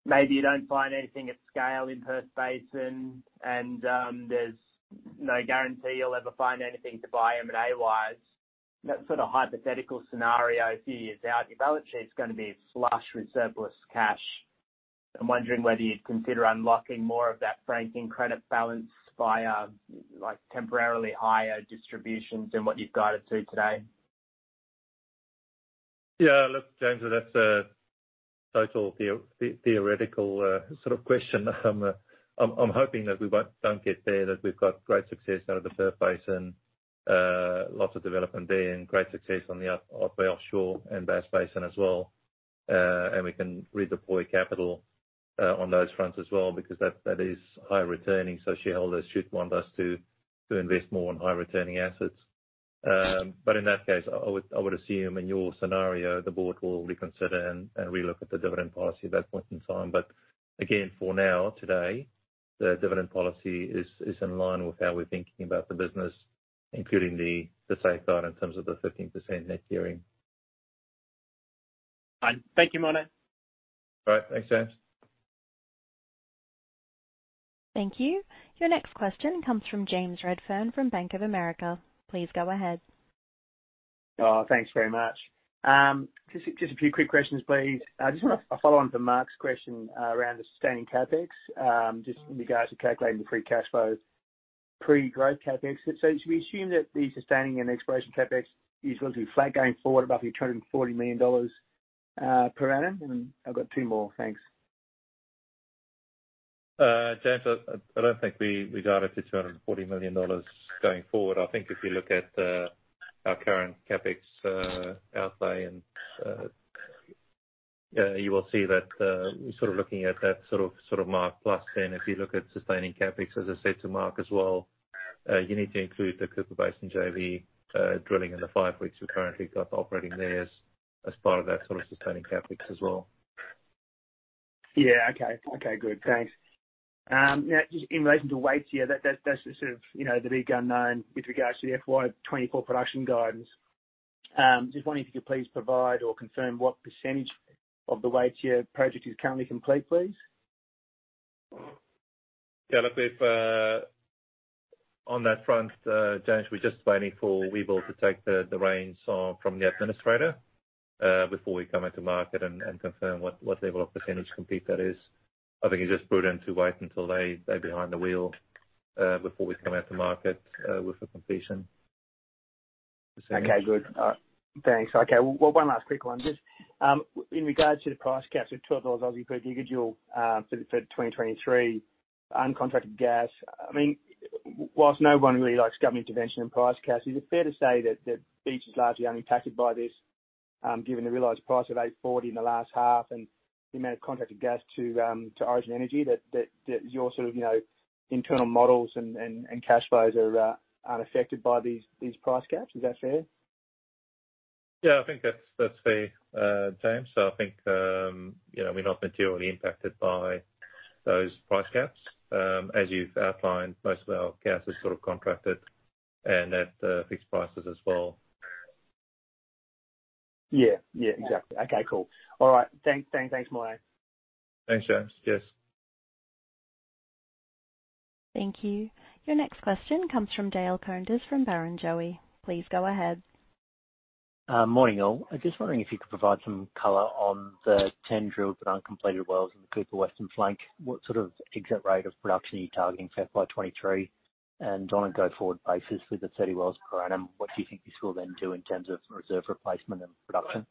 Maybe you don't find anything at scale in Perth Basin, and there's no guarantee you'll ever find anything to buy M&A-wise. In that sort of hypothetical scenario a few years out, your balance sheet's gonna be flush with surplus cash. I'm wondering whether you'd consider unlocking more of that franking credit balance via, like, temporarily higher distributions than what you've guided to today. Yeah. Look, James, that's a total theoretical sort of question. I'm hoping that we don't get there, that we've got great success out of the Perth Basin. Lots of development there and great success on offshore and Bass Basin as well. We can redeploy capital on those fronts as well because that is high returning, shareholders should want us to invest more on high returning assets. In that case, I would assume in your scenario the board will reconsider and relook at the dividend policy at that point in time. Again, for now, today, the dividend policy is in line with how we're thinking about the business, including the safeguard in terms of the 15% net gearing. Fine. Thank you, Morné. All right. Thanks, James. Thank you. Your next question comes from James Redfern from Bank of America. Please go ahead. Thanks very much. Just a few quick questions, please. I just wanna follow on to Mark's question around the sustaining CapEx, just in regards to calculating the free cash flows, pre-growth CapEx. Should we assume that the sustaining and exploration CapEx is relatively flat going forward, above your 240 million dollars per annum? I've got two more. Thanks. James. I don't think we regard it to 240 million dollars going forward. I think if you look at our current CapEx outlay and you will see that sort of looking at that sort of mark, plus then if you look at sustaining CapEx, as I said to Mark as well, you need to include the Cooper Basin JV drilling in the five, which we've currently got operating there as part of that sort of sustaining CapEx as well. Okay, good. Thanks. Just in relation to Waitsia, that's the sort of, you know, the big unknown with regards to the FY 2024 production guidance. Just wondering if you could please provide or confirm what percentage of the Waitsia project is currently complete, please? Look, if, on that front, James, we're just waiting for Webuild to take the reins on from the administrator, before we come into market and confirm what level of percentage complete that is. I think it's just prudent to wait until they're behind the wheel, before we come out to market, with the completion. Good. Thanks. Well, one last quick one. Just in regards to the price caps of 12 Aussie dollars per GJ for 2023 uncontracted gas. I mean, whilst no one really likes government intervention and price caps, is it fair to say that Beach is largely unimpacted by this, given the realized price of 8.40 in the last half and the amount of contracted gas to Origin Energy, that your sort of, you know, internal models and cash flows are unaffected by these price caps? Is that fair? Yeah, I think that's fair, James. I think, you know, we're not materially impacted by those price caps. As you've outlined, most of our gas is sort of contracted and at fixed prices as well. Yeah. Yeah, exactly. Okay, cool. All right. Thanks, Morné. Thanks, James. Yes. Thank you. Your next question comes from Dale Koenders from Barrenjoey. Please go ahead. Morning, all. I'm just wondering if you could provide some color on the 10 drilled but uncompleted wells in the Cooper Western Flank. What sort of exit rate of production are you targeting for FY 2023? On a go forward basis, with the 30 wells per annum, what do you think this will then do in terms of reserve replacement and production?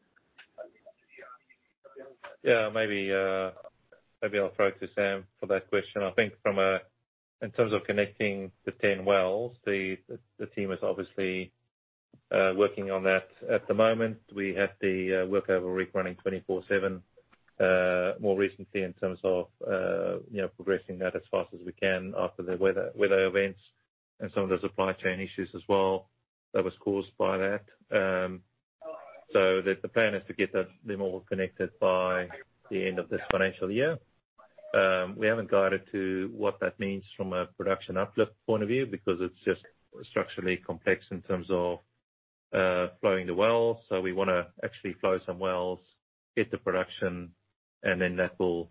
Yeah, maybe I'll throw to Sam for that question. I think in terms of connecting the 10 wells, the team is obviously working on that at the moment. We have the workover rig running 24/7, more recently in terms of, you know, progressing that as fast as we can after the weather events and some of the supply chain issues as well that was caused by that. The plan is to get them all connected by the end of this financial year. We haven't guided to what that means from a production uplift point of view because it's just structurally complex in terms of flowing the wells. We wanna actually flow some wells, get the production, and then that will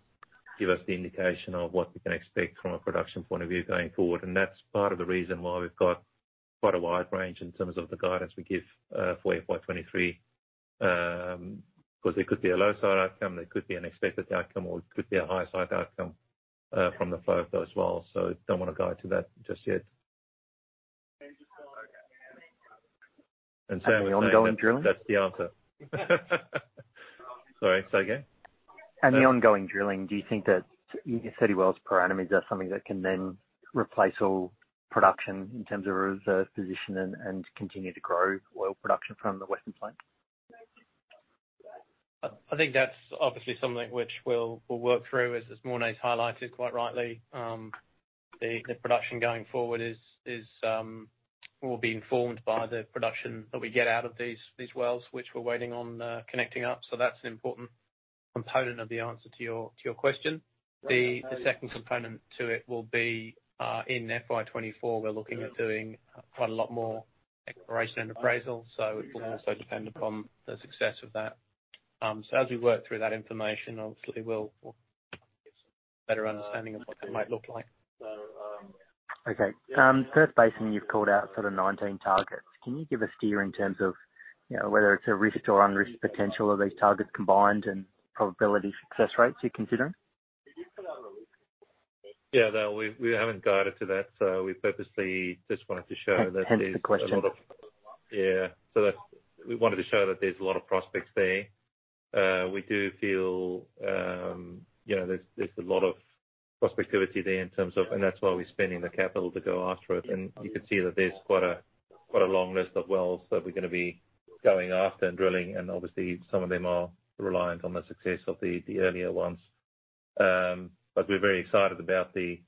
give us the indication of what we can expect from a production point of view going forward. That's part of the reason why we've got quite a wide range in terms of the guidance we give for FY 2023. It could be a low side outcome, it could be an expected outcome, or it could be a high side outcome from the flow of those wells. Don't wanna go to that just yet. The ongoing drilling? That's the answer. Sorry, say again. The ongoing drilling, do you think that 30 wells per annum, is that something that can then replace all production in terms of reserve position and continue to grow oil production from the Western Flank? I think that's obviously something which we'll work through. As Morné's highlighted, quite rightly, the production going forward will be informed by the production that we get out of these wells which we're waiting on connecting up. That's an important component of the answer to your question. The second component to it will be in FY 2024, we're looking at doing quite a lot more exploration and appraisal. It will also depend upon the success of that. As we work through that information, obviously we'll get a better understanding of what that might look like. Perth Basin, you've called out sort of 19 targets. Can you give a steer in terms of, you know, whether it's a risked or unrisked potential of these targets combined and probability success rates you're considering? Yeah, no, we haven't guided to that. we purposely just wanted to show that there's a lot of. Hence the question. We wanted to show that there's a lot of prospects there. We do feel, you know, there's a lot of prospectivity there in terms of. That's why we're spending the capital to go after it. You can see that there's quite a long list of wells that we're gonna be going after and drilling, and obviously some of them are reliant on the success of the earlier ones. But we're very excited about the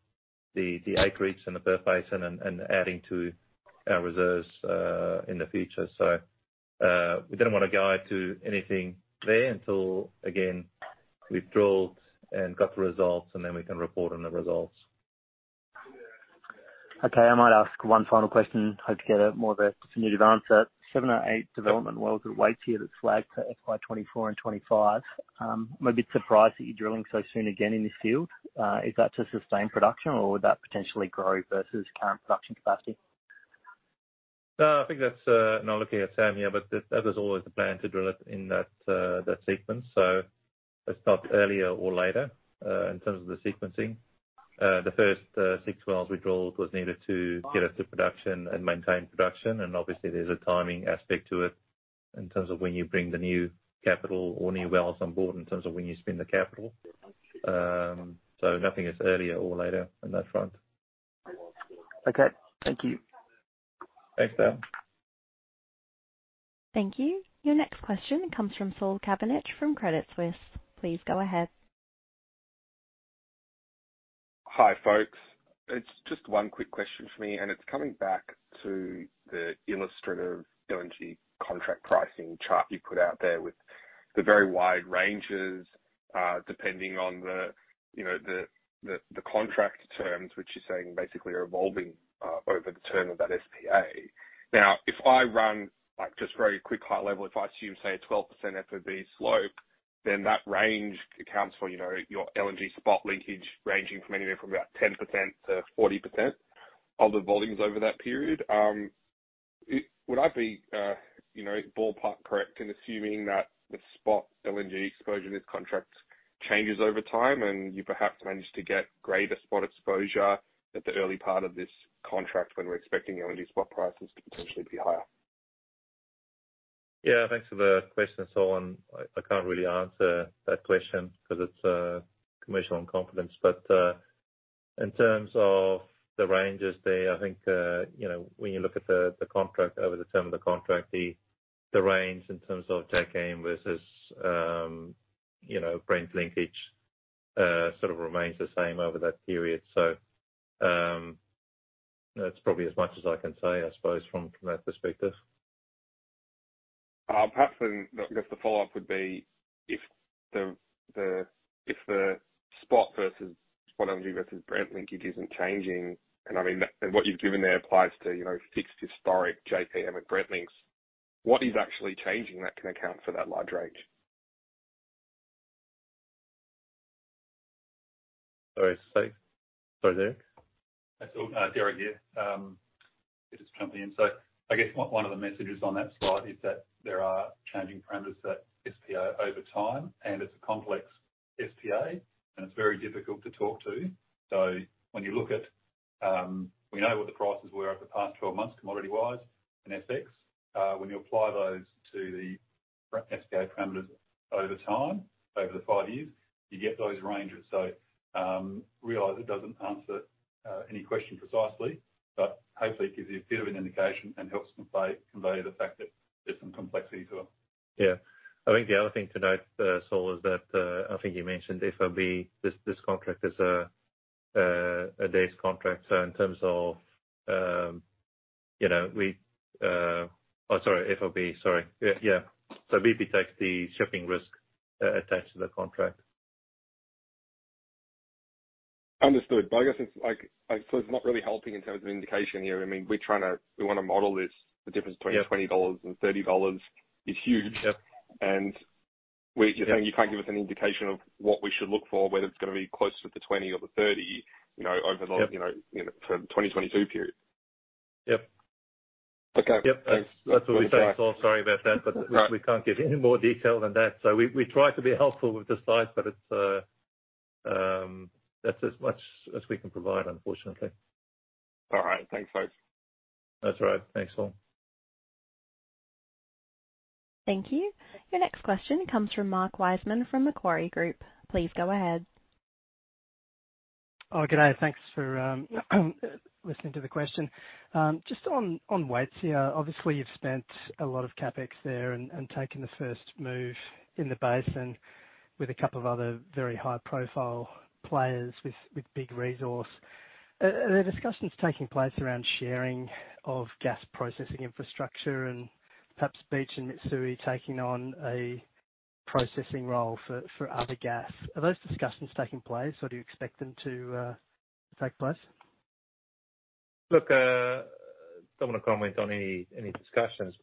acreage in the Perth Basin and adding to our reserves in the future. We didn't want to guide to anything there until, again, we've drilled and got the results, and then we can report on the results. Okay. I might ask one final question. Hope to get a more of a summative answer. Seven or eight development wells with Waitsia that's flagged for FY 2024 and 2025. I'm a bit surprised that you're drilling so soon again in this field. Is that to sustain production or would that potentially grow versus current production capacity? No, I think that's, now looking at Sam here, but that was always the plan to drill it in that sequence. It's not earlier or later, in terms of the sequencing. The first, six wells we drilled was needed to get us to production and maintain production, obviously there's a timing aspect to it in terms of when you bring the new capital or new wells on board, in terms of when you spend the capital. Nothing is earlier or later on that front. Okay. Thank you. Thanks, Dale. Thank you. Your next question comes from Saul Kavonic from Credit Suisse. Please go ahead. Hi, folks. It's just one quick question from me, and it's coming back to the illustrative LNG contract pricing chart you put out there with the very wide ranges, depending on the, you know, the, the contract terms, which you're saying basically are evolving over the term of that SPA. Now, if I run, like, just very quick high level, if I assume, say, a 12% FOB slope. That range accounts for, you know, your LNG spot linkage ranging from anywhere from about 10% to 40% of the volumes over that period. Would I be, you know, ballpark correct in assuming that the spot LNG exposure in this contract changes over time and you perhaps managed to get greater spot exposure at the early part of this contract when we're expecting LNG spot prices to potentially be higher? Yeah, thanks for the question, Saul. I can't really answer that question 'cause it's commercial in confidence. In terms of the ranges there, I think, you know, when you look at the contract over the term of the contract, the range in terms of JKM versus, you know, Brent linkage sort of remains the same over that period. That's probably as much as I can say, I suppose, from that perspective. Perhaps then, I guess the follow-up would be if the spot LNG versus Brent linkage isn't changing, and I mean that. What you've given there applies to, you know, fixed historic JKM and Brent links. What is actually changing that can account for that large range? Sorry, Derek. That's okay. Derek here. Just jumping in. I guess one of the messages on that slide is that there are changing parameters at SPA over time, and it's a complex SPA, and it's very difficult to talk to. When you look at, we know what the prices were at the past 12 months commodity-wise and FX. When you apply those to the SPA parameters over time, over the five years, you get those ranges. Realize it doesn't answer any question precisely, but hopefully it gives you a bit of an indication and helps convey the fact that there's some complexity to them. Yeah. I think the other thing to note, Saul, is that I think you mentioned FOB, this contract is a day rate contract. Oh, sorry, FOB. Sorry. Yeah. BP takes the shipping risk attached to the contract. Understood. I guess it's like, so it's not really helping in terms of indication here. I mean, we wanna model this. Yeah. The difference between 20 dollars and 30 dollars is huge. Yeah. And we- Yeah. You're saying you can't give us an indication of what we should look for, whether it's gonna be closer to 20 or 30, you know, over the... Yeah. you know, for the 2022 period. Yep. Okay. Yep. That's what we say, Saul. Sorry about that. All right. We can't give any more detail than that. We try to be helpful with the slides, but it's that's as much as we can provide, unfortunately. All right. Thanks, guys. That's all right. Thanks, Saul. Thank you. Your next question comes from Mark Wiseman from Macquarie Group. Please go ahead. Good day. Thanks for listening to the question. Just on Waitsia. Obviously, you've spent a lot of CapEx there and taking the first move in the basin with a couple of other very high-profile players with big resource. Are there discussions taking place around sharing of gas processing infrastructure and perhaps Beach and Mitsui taking on a processing role for other gas? Are those discussions taking place or do you expect them to take place? Look, don't wanna comment on any discussions.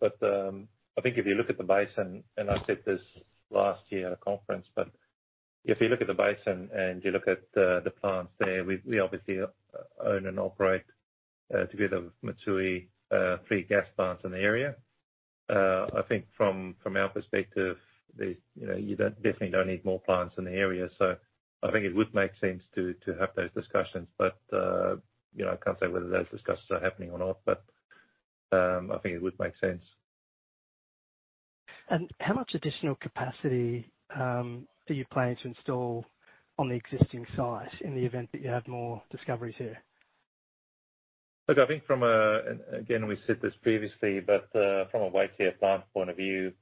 I think if you look at the basin, and I said this last year at a conference, but if you look at the basin and you look at the plants there, we obviously own and operate together with Mitsui, three gas plants in the area. I think from our perspective, you know, you don't, definitely don't need more plants in the area. I think it would make sense to have those discussions. You know, I can't say whether those discussions are happening or not, I think it would make sense. How much additional capacity are you planning to install on the existing site in the event that you have more discoveries here? I think again, we said this previously, but from a Waitsia plant point of view,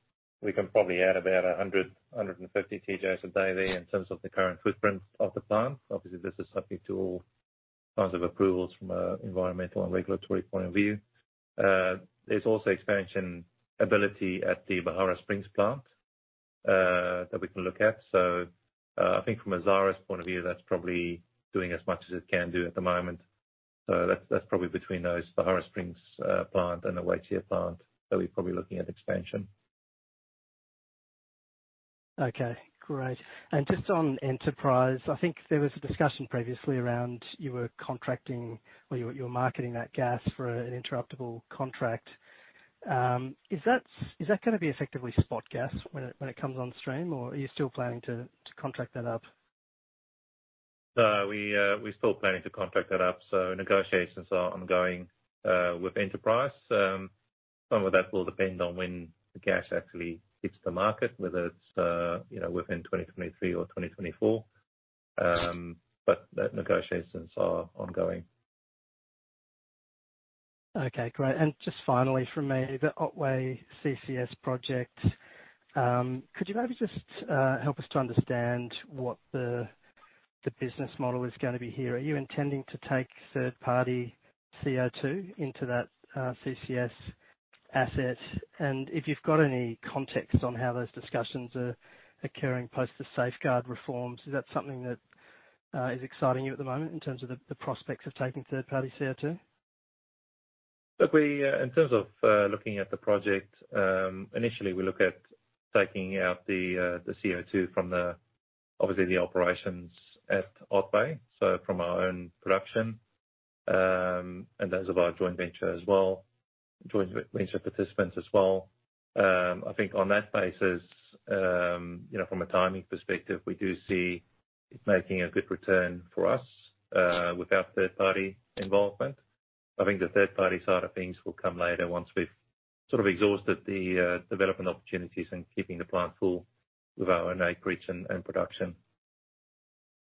we can probably add about 150 TJ a day there in terms of the current footprint of the plant. Obviously, this is subject to all kinds of approvals from environmental and regulatory point of view. There's also expansion ability at the Beharra Springs plant that we can look at. I think from a Xyris point of view, that's probably doing as much as it can do at the moment. That's probably between those, the Beharra Springs plant and the Waitsia plant that we're probably looking at expansion. Okay, great. Just on Enterprise, I think there was a discussion previously around you were contracting or you were marketing that gas for an interruptible contract. Is that gonna be effectively spot gas when it comes on stream, or are you still planning to contract that up? We're still planning to contract that up, so negotiations are ongoing with Enterprise. Some of that will depend on when the gas actually hits the market, whether it's, you know, within 2023 or 2024. The negotiations are ongoing. Okay, great. Just finally from me, the Otway CCS project. Could you maybe just help us to understand what the business model is gonna be here? Are you intending to take third-party CO2 into that CCS asset? If you've got any context on how those discussions are occurring post the safeguard reforms, is that something that is exciting you at the moment in terms of the prospects of taking third-party CO2? Look, we in terms of looking at the project, initially, we look at taking out the CO2 from the obviously the operations at Otway, so from our own production, and those of our joint venture as well, joint venture participants as well. I think on that basis, you know, from a timing perspective, we do see it making a good return for us without third-party involvement. I think the third-party side of things will come later once we've sort of exhausted the development opportunities and keeping the plant full with our own acreage and production.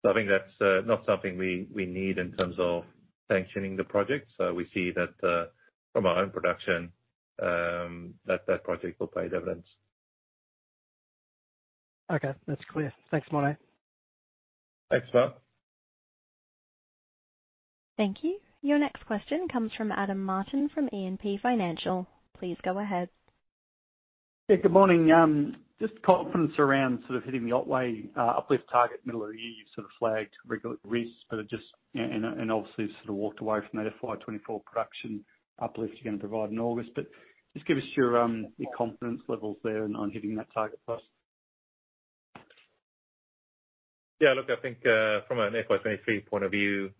I think that's not something we need in terms of sanctioning the project. We see that from our own production, that project will pay dividends. Okay. That's clear. Thanks, Morné. Thanks, Mark. Thank you. Your next question comes from Adam Martin from E&P Financial. Please go ahead. Good morning. Just confidence around sort of hitting the Otway uplift target middle of the year. You've sort of flagged regular risks, but obviously sort of walked away from that FY 2024 production uplift you're gonna provide in August. Just give us your confidence levels there on hitting that target first. Look, I think from a FY 2023 point of view,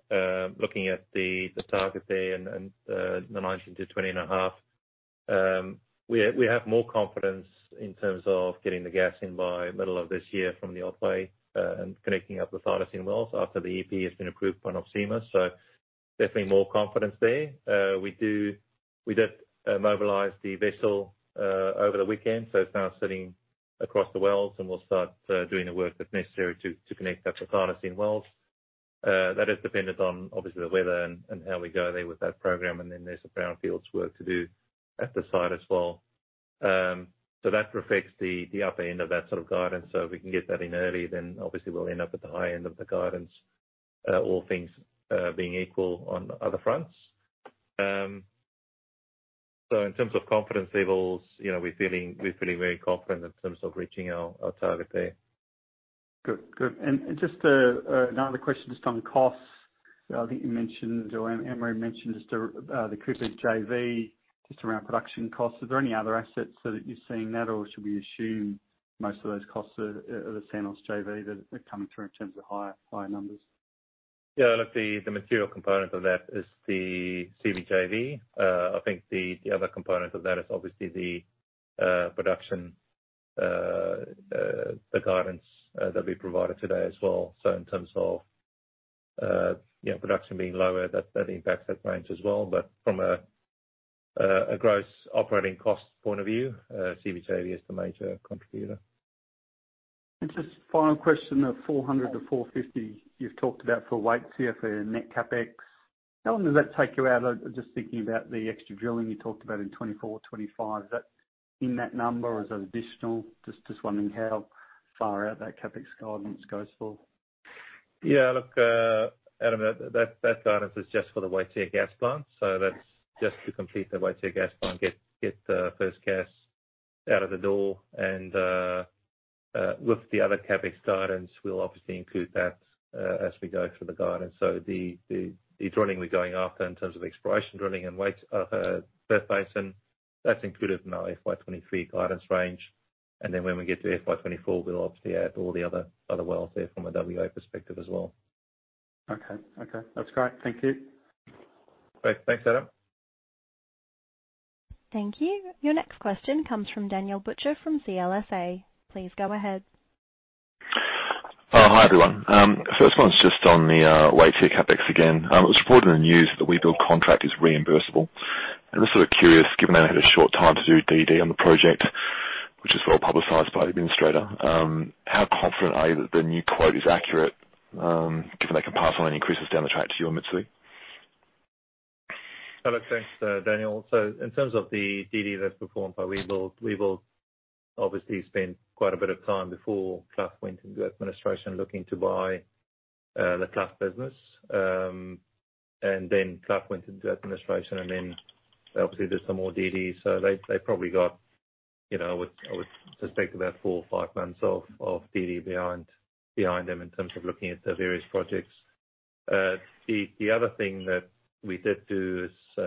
looking at the target there and the 19 to 20.5, we have more confidence in terms of getting the gas in by middle of this year from the Otway, and connecting up the Thylacine wells after the EP has been approved by offtaker. Definitely more confidence there. We did mobilize the vessel over the weekend, so it's now sitting across the wells and we'll start doing the work that's necessary to connect up the Thylacine wells. That is dependent on obviously the weather and how we go there with that program. Then there's some brownfields work to do at the site as well. That affects the upper end of that sort of guidance. If we can get that in early, then obviously we'll end up at the high end of the guidance, all things being equal on other fronts. In terms of confidence levels, you know, we're feeling very confident in terms of reaching our target there. Good. Good. Just another question just on costs. I think you mentioned or Emery mentioned just the Cooper JV just around production costs. Are there any other assets so that you're seeing that, or should we assume most of those costs are the Santos JV that are coming through in terms of higher numbers? Look, the material component of that is the CB JV. I think the other component of that is obviously the production the guidance that we provided today as well. In terms of, you know, production being lower, that impacts that range as well. From a gross operating cost point of view, CB JV is the major contributor. Just final question of 400 million-450 million, you've talked about for Waitsia for net CapEx. How long does that take you out of just thinking about the extra drilling you talked about in 2024, 2025? Is that in that number? Is that additional? Just wondering how far out that CapEx guidance goes for. Yeah. Look, Adam, that guidance is just for the Waitsia gas plant. That's just to complete the Waitsia gas plant, get first gas out of the door. With the other CapEx guidance, we'll obviously include that as we go through the guidance. The drilling we're going after in terms of exploration drilling and Perth Basin, that's included in our FY 2023 guidance range. When we get to FY 2024, we'll obviously add all the other wells there from a WA perspective as well. Okay. Okay, that's great. Thank you. Great. Thanks, Adam. Thank you. Your next question comes from Daniel Butcher from CLSA. Please go ahead. Hi, everyone. First one's just on the Waitsia CapEx again. It was reported in the news that Webuild contract is reimbursable. I'm just sort of curious, given they had a short time to do DD on the project, which is well publicized by the administrator, how confident are you that the new quote is accurate, given they can pass on any increases down the track to you and Mitsui? Hello. Thanks, Daniel. In terms of the DD that's performed by WeBuild obviously spent quite a bit of time before Clough went into administration looking to buy the Clough business. Clough went into administration, then obviously did some more DDs. They probably got, you know, I would suspect about four or five months of DD behind them in terms of looking at the various projects. The other thing that we did do is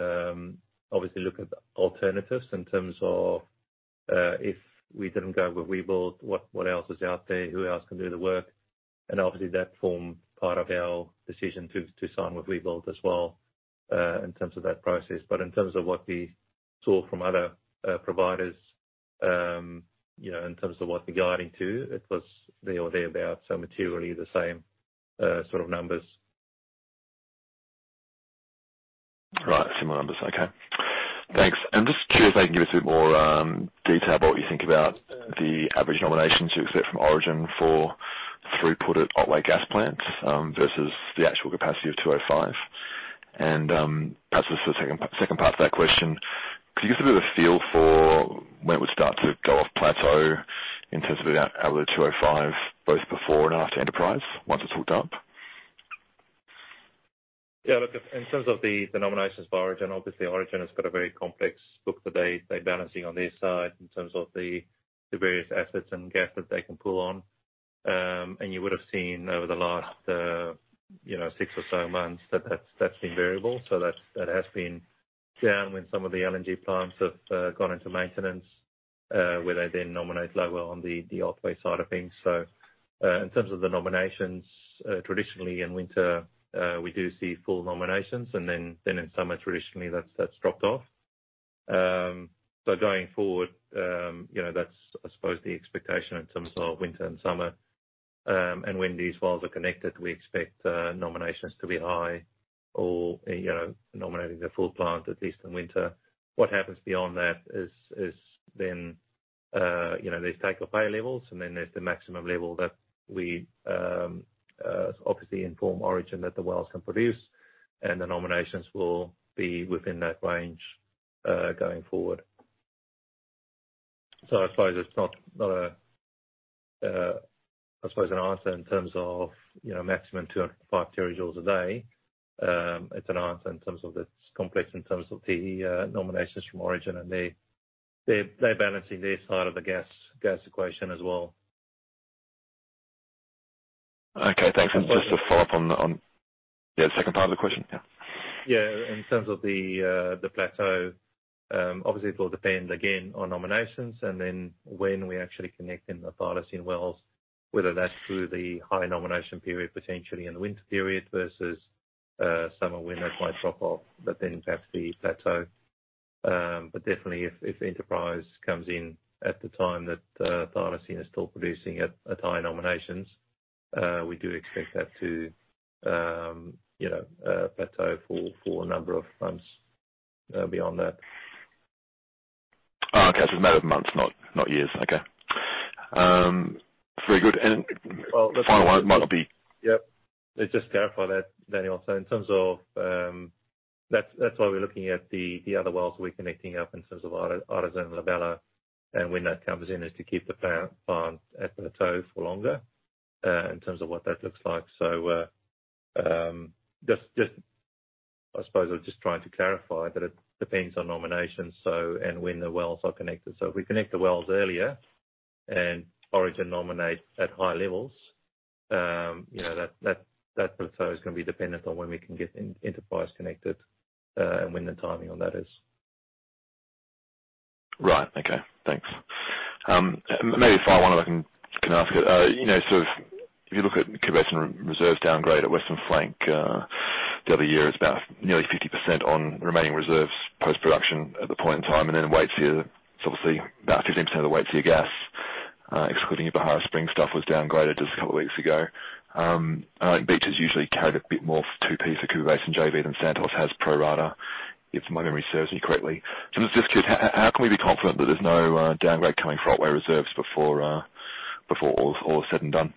obviously look at alternatives in terms of if we didn't go with WeBuild, what else is out there? Who else can do the work? Obviously that formed part of our decision to sign with WeBuild as well in terms of that process. In terms of what we saw from other providers, you know, in terms of what we're guiding to, it was there or there about, so materially the same sort of numbers. Right. Similar numbers. Okay, thanks. Just curious if you can give us a bit more detail about what you think about the average nominations you expect from Origin for throughput at Otway Gas Plants versus the actual capacity of 205. Perhaps this is the second part to that question. Could you give us a bit of a feel for when it would start to go off plateau in terms of out of the 205, both before and after enterprise, once it's hooked up? Yeah. Look, in terms of the nominations for Origin, obviously Origin has got a very complex book that they're balancing on their side in terms of the various assets and gas that they can pull on. You would have seen over the last, you know, six or so months that's been variable. It has been down when some of the LNG plants have gone into maintenance where they then nominate lower on the Otway side of things. In terms of the nominations, traditionally in winter, we do see full nominations and then in summer traditionally, that's dropped off. Going forward, you know, that's I suppose, the expectation in terms of winter and summer. When these wells are connected, we expect nominations to be high or, you know, nominating the full plant, at least in winter. What happens beyond that is then, you know, there's take-or-pay levels, and then there's the maximum level that we obviously inform Origin that the wells can produce, and the nominations will be within that range going forward. I suppose it's not a, I suppose an answer in terms of, you know, maximum 2 TJ and 5 TJ a day. It's an answer in terms of it's complex in terms of the nominations from Origin. They're balancing their side of the gas equation as well. Okay, thanks. Just to follow up on the second part of the question. Yeah. In terms of the plateau, obviously, it will depend again on nominations and then when we're actually connecting the Thylacine wells, whether that's through the high nomination period, potentially in the winter period versus summer when that might drop off, perhaps the plateau. Definitely if Enterprise comes in at the time that Thylacine is still producing at high nominations, we do expect that to, you know, plateau for a number of months beyond that. Oh, okay. So it's a matter of months, not years. Okay. Very good. Well… Final one. Might not be. Yep. Let's just clarify that, Daniel. In terms of That's why we're looking at the other wells we're connecting up in terms of Artisan and La Bella, and when that comes in, is to keep the plant at plateau for longer in terms of what that looks like. Just I suppose I was just trying to clarify, but it depends on nominations, so and when the wells are connected. If we connect the wells earlier and Origin nominate at high levels, you know, that plateau is gonna be dependent on when we can get Enterprise connected, and when the timing on that is. Right. Okay. Thanks. Maybe final one, if I can ask it. You know, sort of if you look at Cooper Basin reserves downgrade at Western Flank, the other year, it's about nearly 50% on remaining reserves post-production at the point in time, and then Waitsia, it's obviously about 15% of the Waitsia gas, excluding the Beharra Springs stuff was downgraded just a couple of weeks ago. I know Beach has usually carried a bit more of 2P for Cooper Basin JV than Santos has pro rata, if my memory serves me correctly. Just, how can we be confident that there's no downgrade coming for Otway reserves before all is said and done?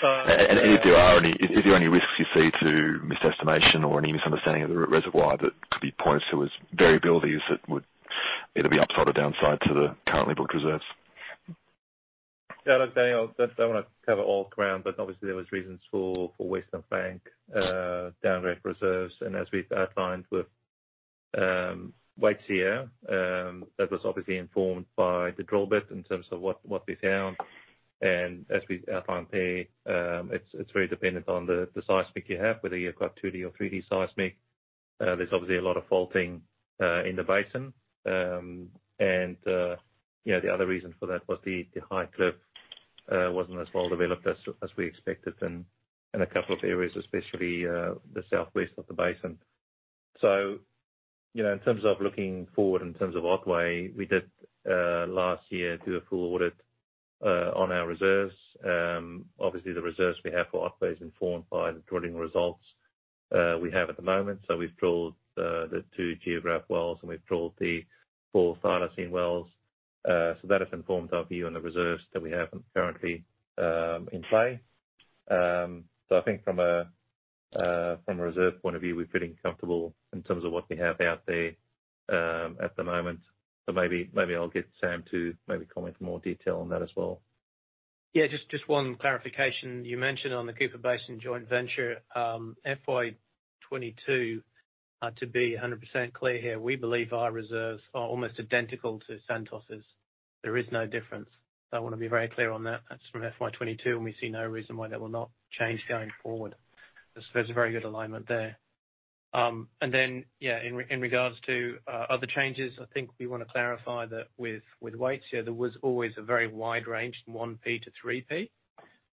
So, uh- Is there any risks you see to misestimation or any misunderstanding of the reservoir that could be points to its variabilities that would either be upside or downside to the currently booked reserves? Yeah. Look, Daniel, don't wanna cover old ground, but obviously there was reasons for Western Flank downgrade reserves. As we've outlined with Waitsia, that was obviously informed by the drill bit in terms of what we found. As we outlined there, it's very dependent on the seismic you have, whether you've got 2D or 3D seismic. There's obviously a lot of faulting in the basin. You know, the other reason for that was the High Cliff wasn't as well developed as we expected in a couple of areas, especially the southwest of the basin. You know, in terms of looking forward, in terms of Otway, we did last year do a full audit on our reserves. Obviously the reserves we have for Otway is informed by the drilling results we have at the moment. We've drilled the two Geographe wells and we've drilled the four Thylacine wells. That has informed our view on the reserves that we have currently in play. I think from a from a reserve point of view, we're feeling comfortable in terms of what we have out there at the moment. Maybe I'll get Sam to comment more detail on that as well. Just one clarification. You mentioned on the Cooper Basin Joint Venture, FY 2022 to be 100% clear here, we believe our reserves are almost identical to Santos's. There is no difference. I wanna be very clear on that. That's from FY 2022, and we see no reason why that will not change going forward. There's a very good alignment there. In regards to other changes, I think we wanna clarify that with Waitsia, there was always a very wide range from 1P to 3P.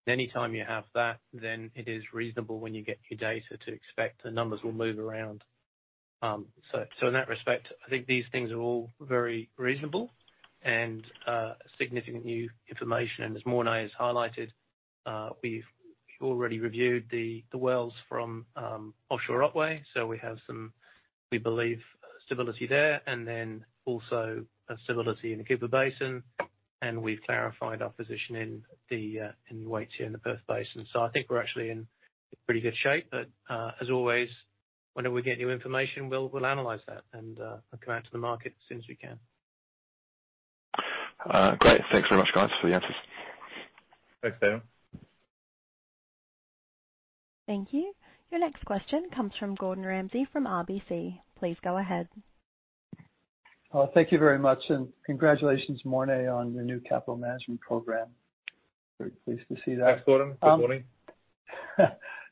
Anytime you have that, then it is reasonable when you get your data to expect the numbers will move around. In that respect, I think these things are all very reasonable and significant new information. As Morné has highlighted, we've already reviewed the wells from offshore Otway, so we have some, we believe, stability there, and then also a stability in the Cooper Basin, and we've clarified our position in Waitsia in the Perth Basin. I think we're actually in pretty good shape. As always, whenever we get new information, we'll analyze that and come out to the market as soon as we can. Great. Thanks very much, guys, for the answers. Thanks, Daniel. Thank you. Your next question comes from Gordon Ramsay from RBC. Please go ahead. Oh, thank you very much, and congratulations, Morné, on your new capital management program. Very pleased to see that. Thanks, Gordon. Good morning.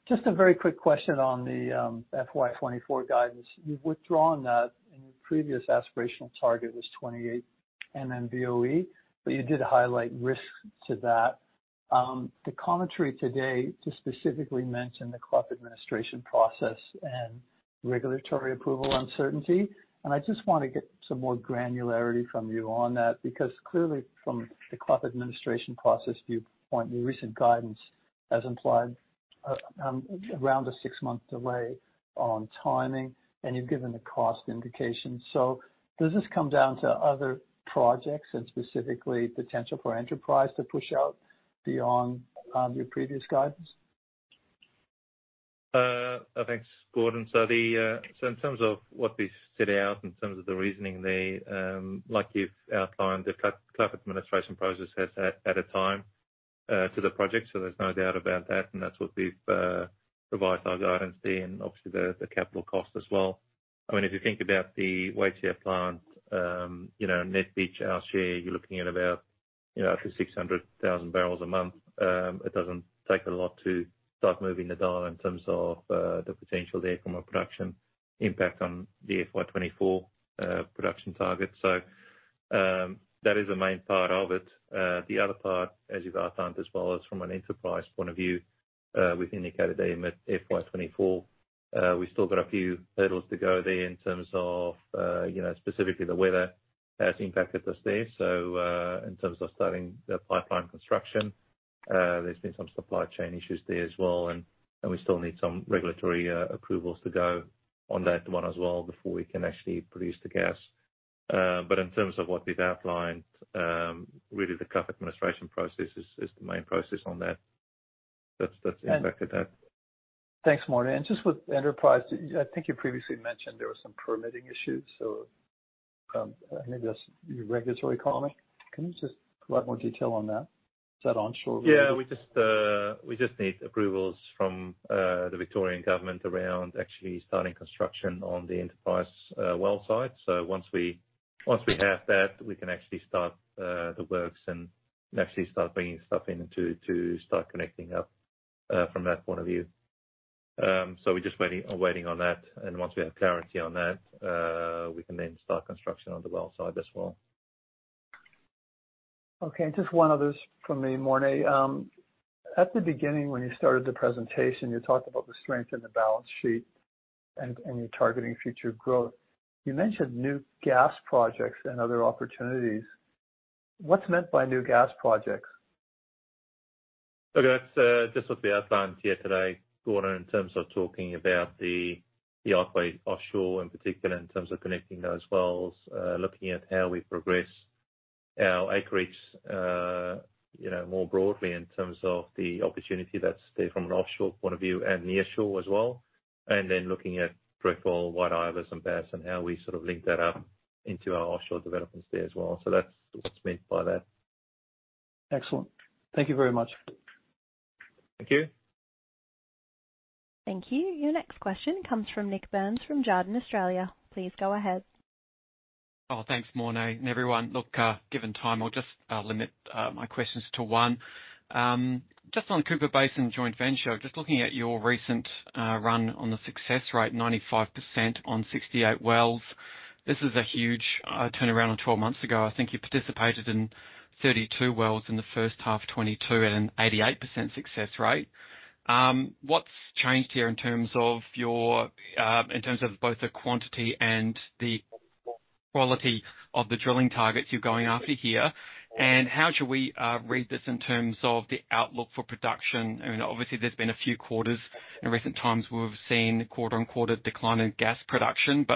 Just a very quick question on the FY 2024 guidance. You've withdrawn that, and your previous aspirational target was 28 MMboe, but you did highlight risks to that. The commentary today just specifically mentioned the Clough administration process and regulatory approval uncertainty. I just wanna get some more granularity from you on that, because clearly, from the Clough administration process viewpoint, your recent guidance has implied around a six month delay on timing, and you've given a cost indication. Does this come down to other projects and specifically potential for Enterprise to push out beyond your previous guidance? Thanks, Gordon. In terms of what we've set out in terms of the reasoning there, like you've outlined, the Clough administration process has added time to the project, there's no doubt about that, and that's what we've provided our guidance there and obviously the capital cost as well. I mean, if you think about the Waitsia plant, you know, net Beach share, you're looking at about, you know, up to 600,000 barrels a month. It doesn't take a lot to start moving the dial in terms of the potential there from a production impact on the FY 2024 production target. That is the main part of it. The other part, as you've outlined as well, is from an Enterprise point of view. We've indicated there in the FY 2024, we've still got a few hurdles to go there in terms of, you know, specifically the weather has impacted us there. In terms of starting the pipeline construction, there's been some supply chain issues there as well, and we still need some regulatory approvals to go on that one as well before we can actually produce the gas. But in terms of what we've outlined, really the Clough administration process is the main process on that. That's impacted that. Thanks, Morné. Just with Enterprise, I think you previously mentioned there were some permitting issues, maybe that's your regulatory comment. Can you just provide more detail on that? Is that onshore? Yeah. We just need approvals from the Victorian government around actually starting construction on the Enterprise well site. Once we have that, we can actually start the works and actually start bringing stuff in to start connecting up from that point of view. We're just waiting on that. Once we have clarity on that, we can then start construction on the well site as well. Okay. Just one other from me, Morné. At the beginning when you started the presentation, you talked about the strength in the balance sheet and you're targeting future growth. You mentioned new gas projects and other opportunities. What's meant by new gas projects? Look, that's just what we outlined here today, Gordon, in terms of talking about the Otway Offshore in particular in terms of connecting those wells, looking at how we progress our acreage, you know, more broadly in terms of the opportunity that's there from an offshore point of view and nearshore as well. Then looking at Trefoil, White Ibis and Bass and how we sort of link that up into our offshore developments there as well. That's what's meant by that. Excellent. Thank you very much. Thank you. Thank you. Your next question comes from Nik Burns from Jarden Australia. Please go ahead. Thanks, Morné, and everyone. Given time, I'll just limit my questions to one. Just on Cooper Basin Joint Venture, just looking at your recent run on the success rate, 95% on 68 wells. This is a huge turnaround on 12 months ago. I think you participated in 32 wells in the first half of 2022 at an 88% success rate. What's changed here in terms of your in terms of both the quantity and the quality of the drilling targets you're going after here? How should we read this in terms of the outlook for production? I mean, obviously there's been a few quarters in recent times where we've seen quarter-on-quarter decline in gas production,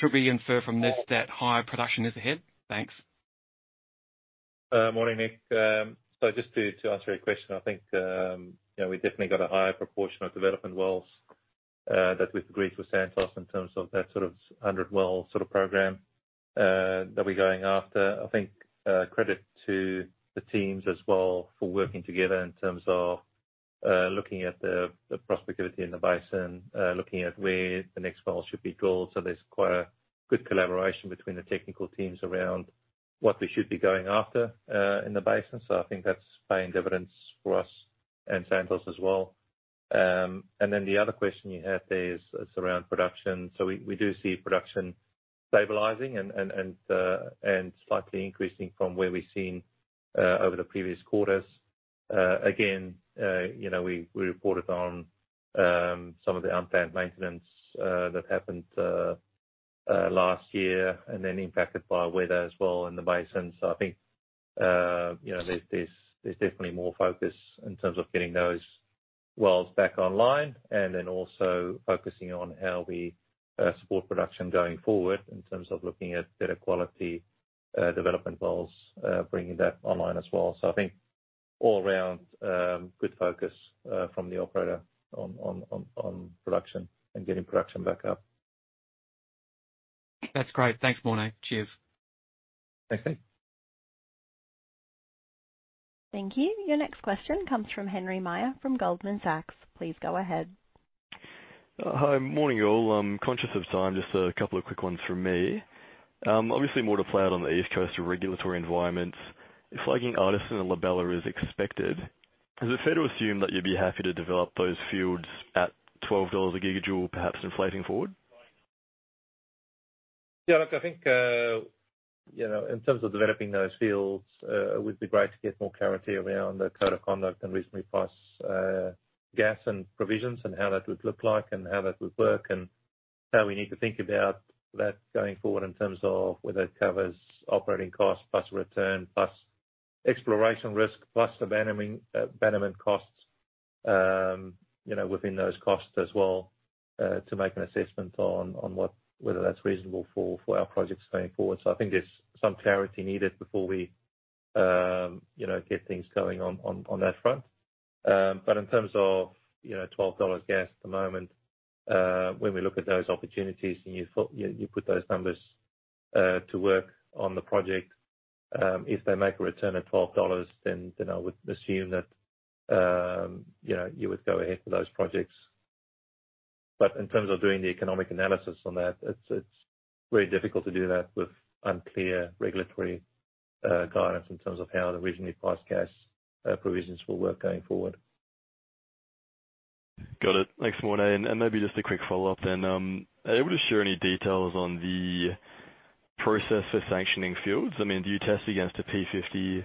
should we infer from this that higher production is ahead? Thanks. Morning, Nik. Just to answer your question, I think, you know, we definitely got a higher proportion of development wells that we've agreed with Santos in terms of that sort of 100 well sort of program that we're going after. I think credit to the teams as well for working together in terms of looking at the prospectivity in the basin, looking at where the next well should be drilled. There's quite a good collaboration between the technical teams around what we should be going after in the basin. I think that's paying dividends for us and Santos as well. Then the other question you had there is around production. We do see production stabilizing and slightly increasing from where we've seen over the previous quarters. Again, you know, we reported on some of the unplanned maintenance that happened last year and then impacted by weather as well in the basin. I think, you know, there's definitely more focus in terms of getting those wells back online and then also focusing on how we support production going forward in terms of looking at better quality development wells, bringing that online as well. I think all around good focus from the operator on production and getting production back up. That's great. Thanks, Morné. Cheers. Thanks, Nik. Thank you. Your next question comes from Henry Meyer from Goldman Sachs. Please go ahead. Hi. Morning, y'all. I'm conscious of time. Just a couple of quick ones from me. Obviously more to play out on the East Coast regulatory environments. If flagging Artisan and La Bella is expected, is it fair to assume that you'd be happy to develop those fields at 12 dollars a GJ perhaps inflating forward? Look, I think, you know, in terms of developing those fields, would be great to get more clarity around the Code of Conduct and reasonably priced gas provisions and how that would look like and how that would work, and how we need to think about that going forward in terms of whether it covers operating costs plus return, plus exploration risk, plus abandonment costs, you know, within those costs as well, to make an assessment on whether that's reasonable for our projects going forward. I think there's some clarity needed before we, you know, get things going on that front. In terms of, you know, 12 dollars gas at the moment, when we look at those opportunities and you put those numbers to work on the project, if they make a return at 12 dollars, then I would assume that, you know, you would go ahead with those projects. In terms of doing the economic analysis on that, it's very difficult to do that with unclear regulatory guidance in terms of how the reasonably priced gas provisions will work going forward. Got it. Thanks, Morné. Maybe just a quick follow-up. Are you able to share any details on the process for sanctioning fields? I mean, do you test against a P50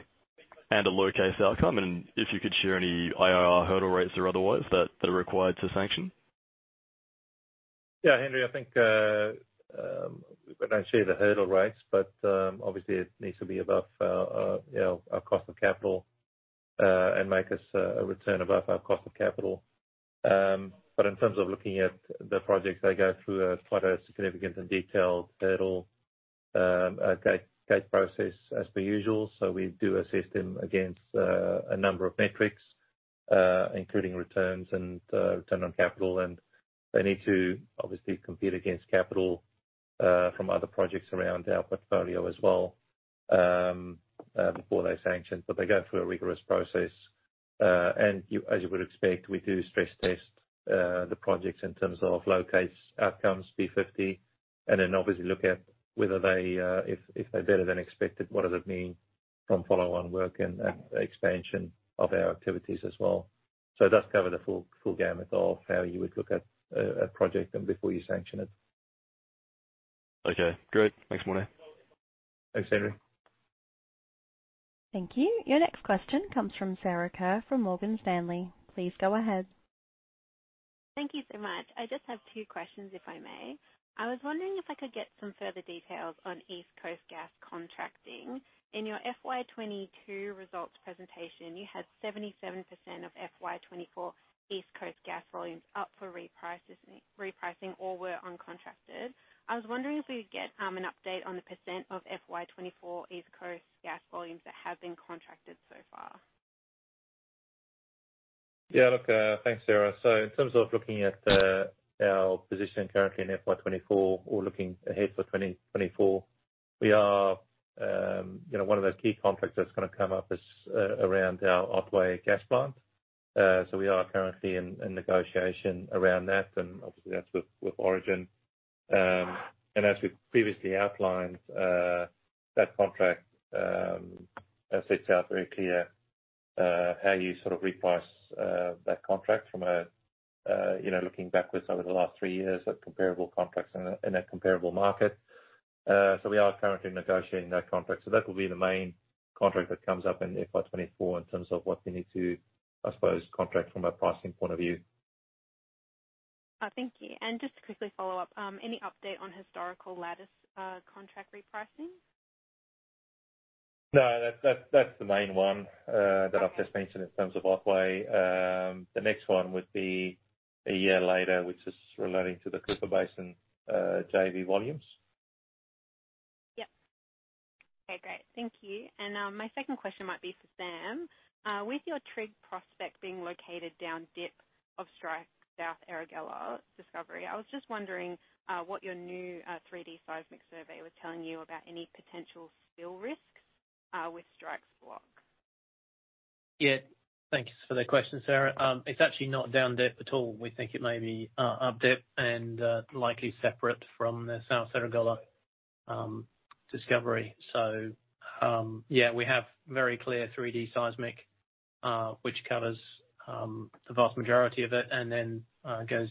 and a low case outcome? If you could share any IRR hurdle rates or otherwise that they're required to sanction. Yeah, Henry, I think, we don't share the hurdle rates, obviously it needs to be above our, you know, our cost of capital, and make us a return above our cost of capital. In terms of looking at the projects, they go through a quite a significant and detailed hurdle gate process as per usual. We do assess them against a number of metrics, including returns and return on capital. They need to obviously compete against capital from other projects around our portfolio as well before they're sanctioned. They go through a rigorous process, and you... as you would expect, we do stress test the projects in terms of low case outcomes, P50, and then obviously look at whether they, if they're better than expected, what does it mean from follow-on work and expansion of our activities as well. It does cover the full gamut of how you would look at a project and before you sanction it. Okay, great. Thanks, Morné. Thanks, Henry. Thank you. Your next question comes from Sarah Kerr from Morgan Stanley. Please go ahead. Thank you so much. I just have two questions, if I may. I was wondering if I could get some further details on east coast gas contracting. In your FY 2022 results presentation, you had 77% of FY 2024 east coast gas volumes up for repricing or were uncontracted. I was wondering if we could get an update on the % of FY 2024 east coast gas volumes that have been contracted so far. Yeah, look, thanks, Sarah. In terms of looking at our position currently in FY 2024 or looking ahead for 2024, we are, you know, one of those key contracts that's gonna come up is around our Otway Gas Plant. We are currently in negotiation around that and obviously that's with Origin. As we've previously outlined, that contract sets out very clear how you sort of reprice that contract from a, you know, looking backwards over the last three years at comparable contracts in a comparable market. We are currently negotiating that contract. That will be the main contract that comes up in FY 2024 in terms of what we need to, I suppose, contract from a pricing point of view. Thank you. just to quickly follow up, any update on historical Lattice contract repricing? No, that's the main one, that I've just mentioned in terms of Otway. The next one would be a year later, which is relating to the Cooper Basin JV volumes. Yep. Okay, great. Thank you. My second question might be for Sam. With your Trigg prospect being located down dip of Strike's South Erregulla discovery, I was just wondering, what your new 3D seismic survey was telling you about any potential spill risks with Strike's block? Yeah. Thanks for the question, Sarah. It's actually not down dip at all. We think it may be up dip and likely separate from the South Erregulla discovery. Yeah, we have very clear 3D seismic which covers the vast majority of it, and then goes,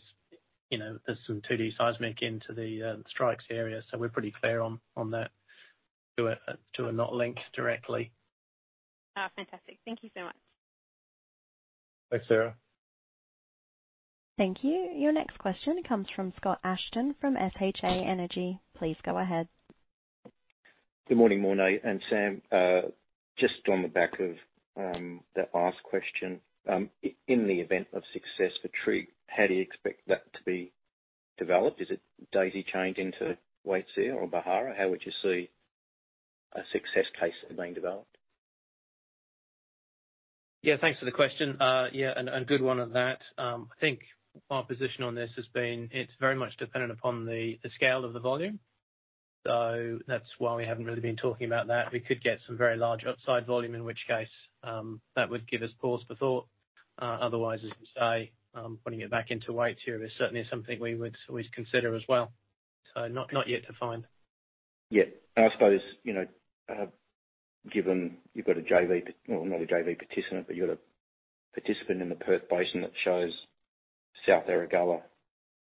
you know, there's some 2D seismic into the Strike area, so we're pretty clear on that to a not linked directly. Oh, fantastic. Thank you so much. Thanks, Sarah. Thank you. Your next question comes from Scott Ashton from SHA Energy. Please go ahead. Good morning, Morné and Sam. Just on the back of the last question. In the event of success for Trigg, how do you expect that to be developed? Is it daisy chained into Waitsia or Beharra? How would you see a success case being developed? Yeah, thanks for the question. Good one at that. I think our position on this has been it's very much dependent upon the scale of the volume. That's why we haven't really been talking about that. We could get some very large upside volume, in which case, that would give us pause for thought. Otherwise, as you say, putting it back into Waitsia is certainly something we would always consider as well. Not yet defined. Yeah. I suppose, you know, given you've got a JV, well, not a JV participant, but you're a participant in the Perth Basin that shows South Erregulla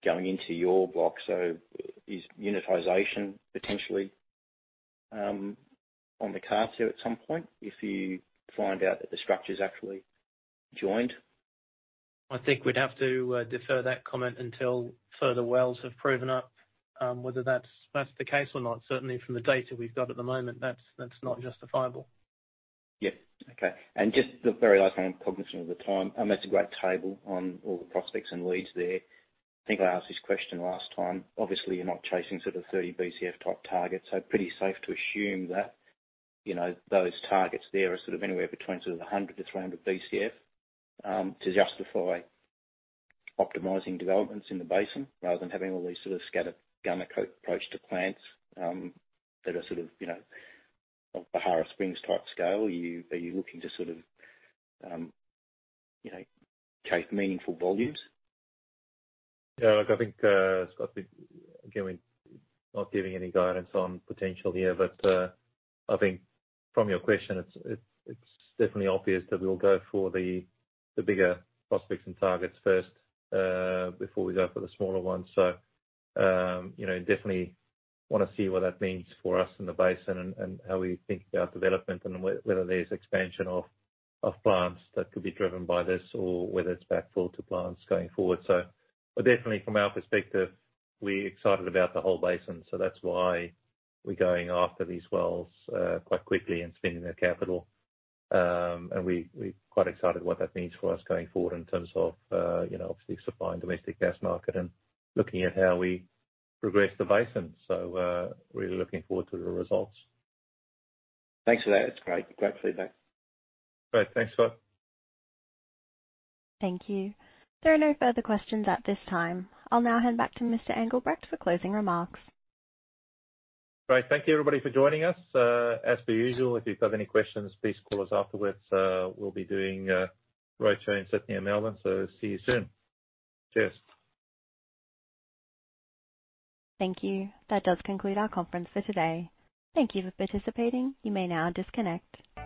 going into your block. Is unitization potentially on the cards here at some point if you find out that the structure's actually joined? I think we'd have to, defer that comment until further wells have proven up, whether that's the case or not. Certainly from the data we've got at the moment, that's not justifiable. Yeah. Okay. Just the very last one. I mean, I'm cognizant of the time. It's a great table on all the prospects and leads there. I think I asked this question last time. Obviously, you're not chasing sort of 30 BCF type targets, so pretty safe to assume that, you know, those targets there are sort of anywhere between sort of 100-300 BCF to justify optimizing developments in the basin rather than having all these sort of scattergun approach to plants that are sort of, you know, of the Beharra Springs type scale. Are you looking to sort of, you know, chase meaningful volumes? Yeah, look, I think, Scott, again, we're not giving any guidance on potential here. I think from your question it's definitely obvious that we'll go for the bigger prospects and targets first, before we go for the smaller ones. You know, definitely wanna see what that means for us in the basin and how we think about development and whether there's expansion of plants that could be driven by this or whether it's backfill to plants going forward. Definitely from our perspective, we're excited about the whole basin, so that's why we're going after these wells, quite quickly and spending the capital. And we're quite excited what that means for us going forward in terms of, you know, obviously supplying domestic gas market and looking at how we progress the basin. really looking forward to the results. Thanks for that. It's great. Great feedback. Great. Thanks, Scott. Thank you. There are no further questions at this time. I'll now hand back to Mr. Engelbrecht for closing remarks. Great. Thank you everybody for joining us. As per usual, if you've got any questions, please call us afterwards. We'll be doing roadshow in Sydney and Melbourne, so see you soon. Cheers. Thank you. That does conclude our conference for today. Thank you for participating. You may now disconnect.